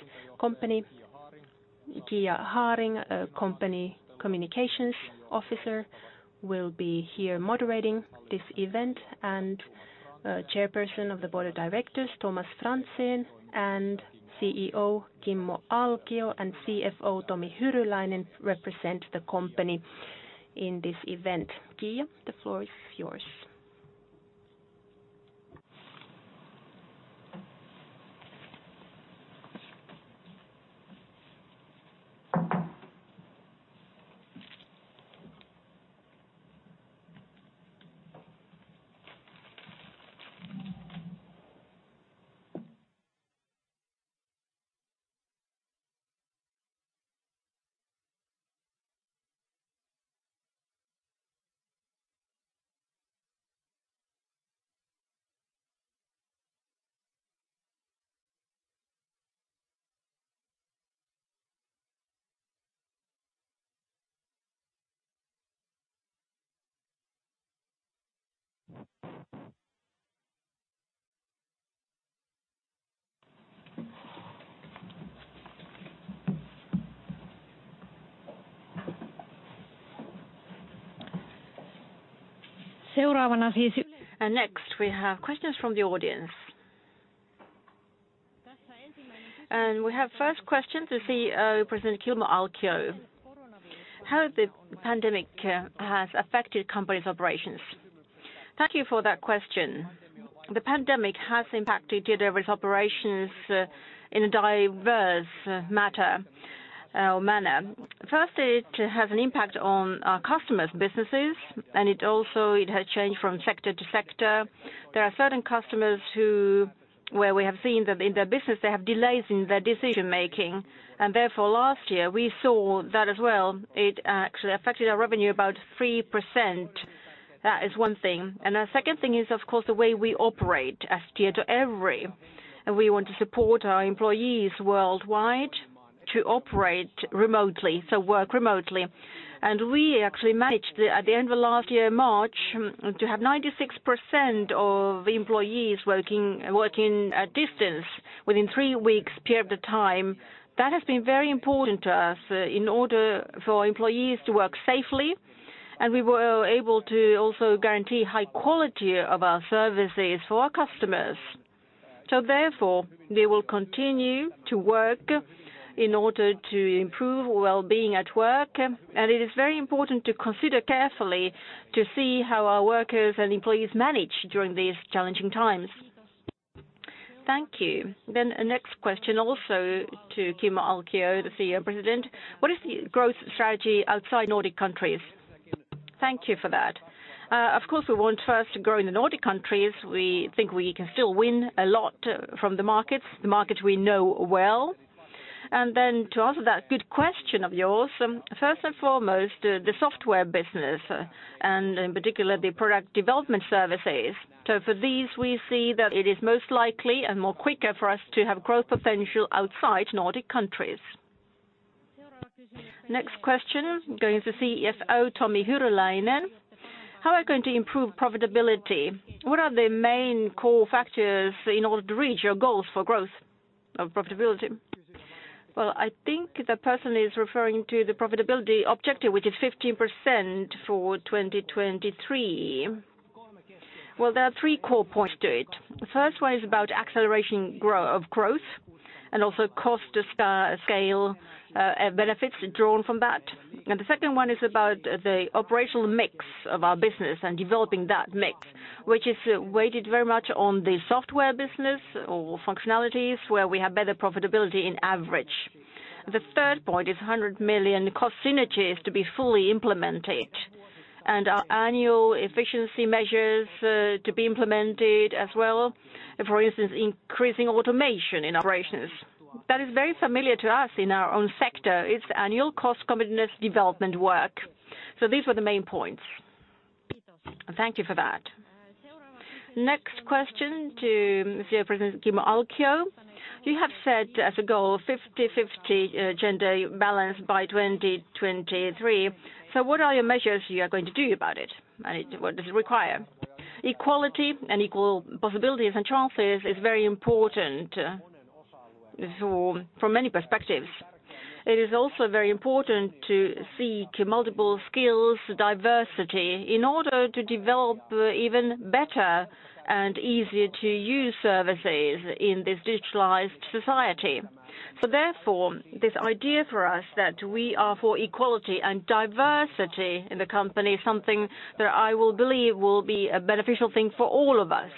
Kia Haring, Company Communications Officer, will be here moderating this event, and Chairperson of the Board of Directors Tomas Franzén and CEO Kimmo Alkio and CFO Tomi Hyryläinen represent the company in this event. Kia, the floor is yours. Seuraavana siis. Next we have questions from the audience. We have the first question to CEO Kimmo Alkio. How the pandemic has affected company's operations? Thank you for that question. The pandemic has impacted delivery operations in a diverse matter or manner. First, it has an impact on customers' businesses, and it also has changed from sector to sector. There are certain customers where we have seen that in their business they have delays in their decision-making. And therefore, last year we saw that as well. It actually affected our revenue about 3%. That is one thing. The second thing is, of course, the way we operate as Tietoevry. We want to support our employees worldwide to operate remotely, to work remotely. We actually managed at the end of last year, March, to have 96% of employees working at distance within a three-week period of time. That has been very important to us in order for employees to work safely, and we were able to also guarantee high quality of our services for our customers. Therefore, they will continue to work in order to improve well-being at work. It is very important to consider carefully to see how our workers and employees manage during these challenging times. Thank you. The next question also to Kimmo Alkio, the CEO and President. What is the growth strategy outside Nordic countries? Thank you for that. Of course, we want first to grow in the Nordic countries. We think we can still win a lot from the markets, the markets we know well, and then to answer that good question of yours, first and foremost, the software business and in particular the product development services, so for these, we see that it is most likely and more quicker for us to have growth potential outside Nordic countries. Next question going to CFO Tomi Hyryläinen. How are we going to improve profitability? What are the main core factors in order to reach your goals for growth of profitability? Well, I think the person is referring to the profitability objective, which is 15% for 2023. Well, there are three core points to it. The first one is about acceleration of growth and also cost to scale benefits drawn from that. The second one is about the operational mix of our business and developing that mix, which is weighted very much on the software business or functionalities where we have better profitability in average. The third point is 100 million cost synergies to be fully implemented and our annual efficiency measures to be implemented as well. For instance, increasing automation in operations. That is very familiar to us in our own sector. It's annual cost continuous development work. These were the main points. Thank you for that. Next question to CEO Kimmo Alkio. You have set as a goal of 50-50 gender balance by 2023. What are your measures you are going to do about it? And what does it require? Equality and equal possibilities and chances is very important from many perspectives. It is also very important to seek multiple skills diversity in order to develop even better and easier-to-use services in this digitalized society. So therefore, this idea for us that we are for equality and diversity in the company is something that I will believe will be a beneficial thing for all of us.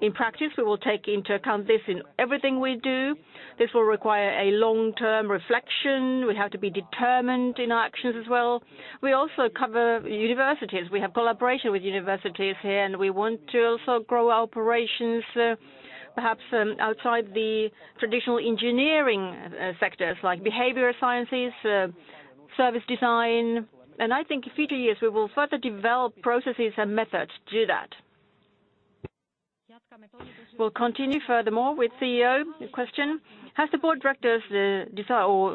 In practice, we will take into account this in everything we do. This will require a long-term reflection. We have to be determined in our actions as well. We also cover universities. We have collaboration with universities here, and we want to also grow our operations perhaps outside the traditional engineering sectors like behavioral sciences, service design, and I think in future years we will further develop processes and methods to do that. We'll continue furthermore with CEO. Question. Has the board of directors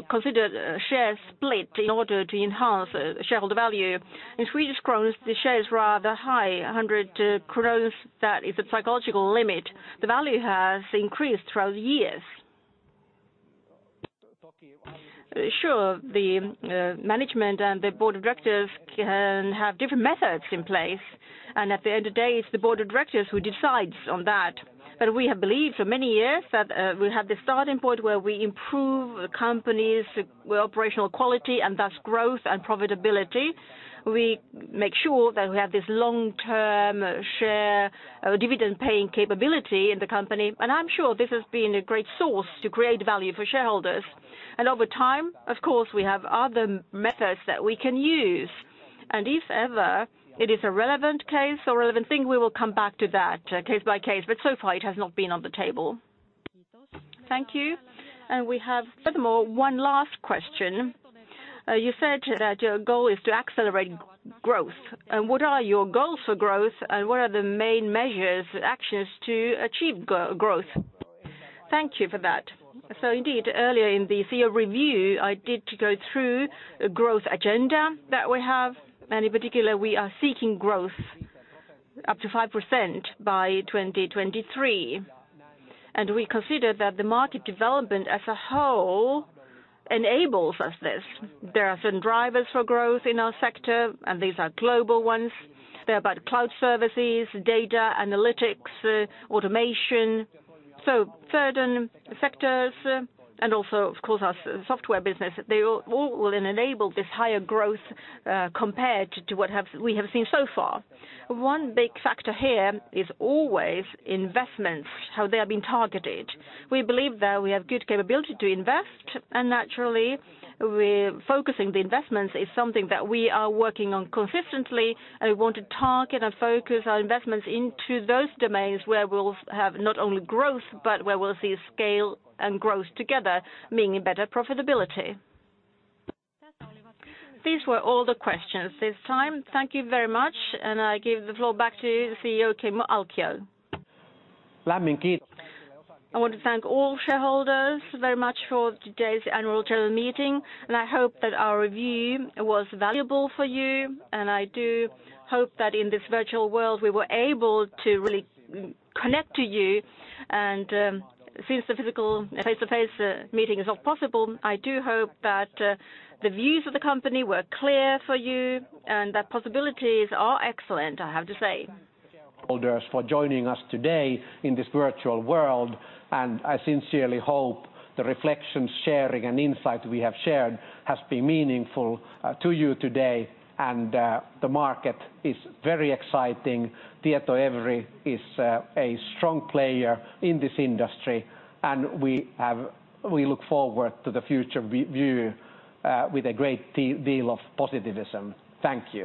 considered share split in order to enhance shareholder value? In Swedish kronor, the share is rather high. 100, that is a psychological limit. The value has increased throughout the years. Sure, the management and the board of directors can have different methods in place, and at the end of the day, it's the board of directors who decides on that. But we have believed for many years that we have this starting point where we improve the company's operational quality and thus growth and profitability. We make sure that we have this long-term share dividend-paying capability in the company. And I'm sure this has been a great source to create value for shareholders. And over time, of course, we have other methods that we can use. And if ever it is a relevant case or relevant thing, we will come back to that case by case. But so far, it has not been on the table. Thank you. And we have furthermore one last question. You said that your goal is to accelerate growth. And what are your goals for growth? And what are the main measures, actions to achieve growth? Thank you for that. So indeed, earlier in the CEO review, I did go through a growth agenda that we have. And in particular, we are seeking growth up to 5% by 2023. And we consider that the market development as a whole enables us this. There are certain drivers for growth in our sector, and these are global ones. They're about cloud services, data analytics, automation. So certain sectors and also, of course, our software business, they all will enable this higher growth compared to what we have seen so far. One big factor here is always investments, how they have been targeted. We believe that we have good capability to invest. And naturally, we're focusing the investments is something that we are working on consistently. And we want to target and focus our investments into those domains where we'll have not only growth, but where we'll see scale and growth together, meaning better profitability. These were all the questions this time. Thank you very much. And I give the floor back to CEO Kimmo Alkio. Lämmin kiitos. I want to thank all shareholders very much for today's Annual General Meeting. And I hope that our review was valuable for you. And I do hope that in this virtual world, we were able to really connect to you. And since the physical face-to-face meeting is not possible, I do hope that the views of the company were clear for you. And that possibilities are excellent, I have to say. Shareholders for joining us today in this virtual world. And I sincerely hope the reflections, sharing, and insights we have shared have been meaningful to you today. And the market is very exciting. Tietoevry is a strong player in this industry. And we look forward to the future with a great deal of optimism. Thank you.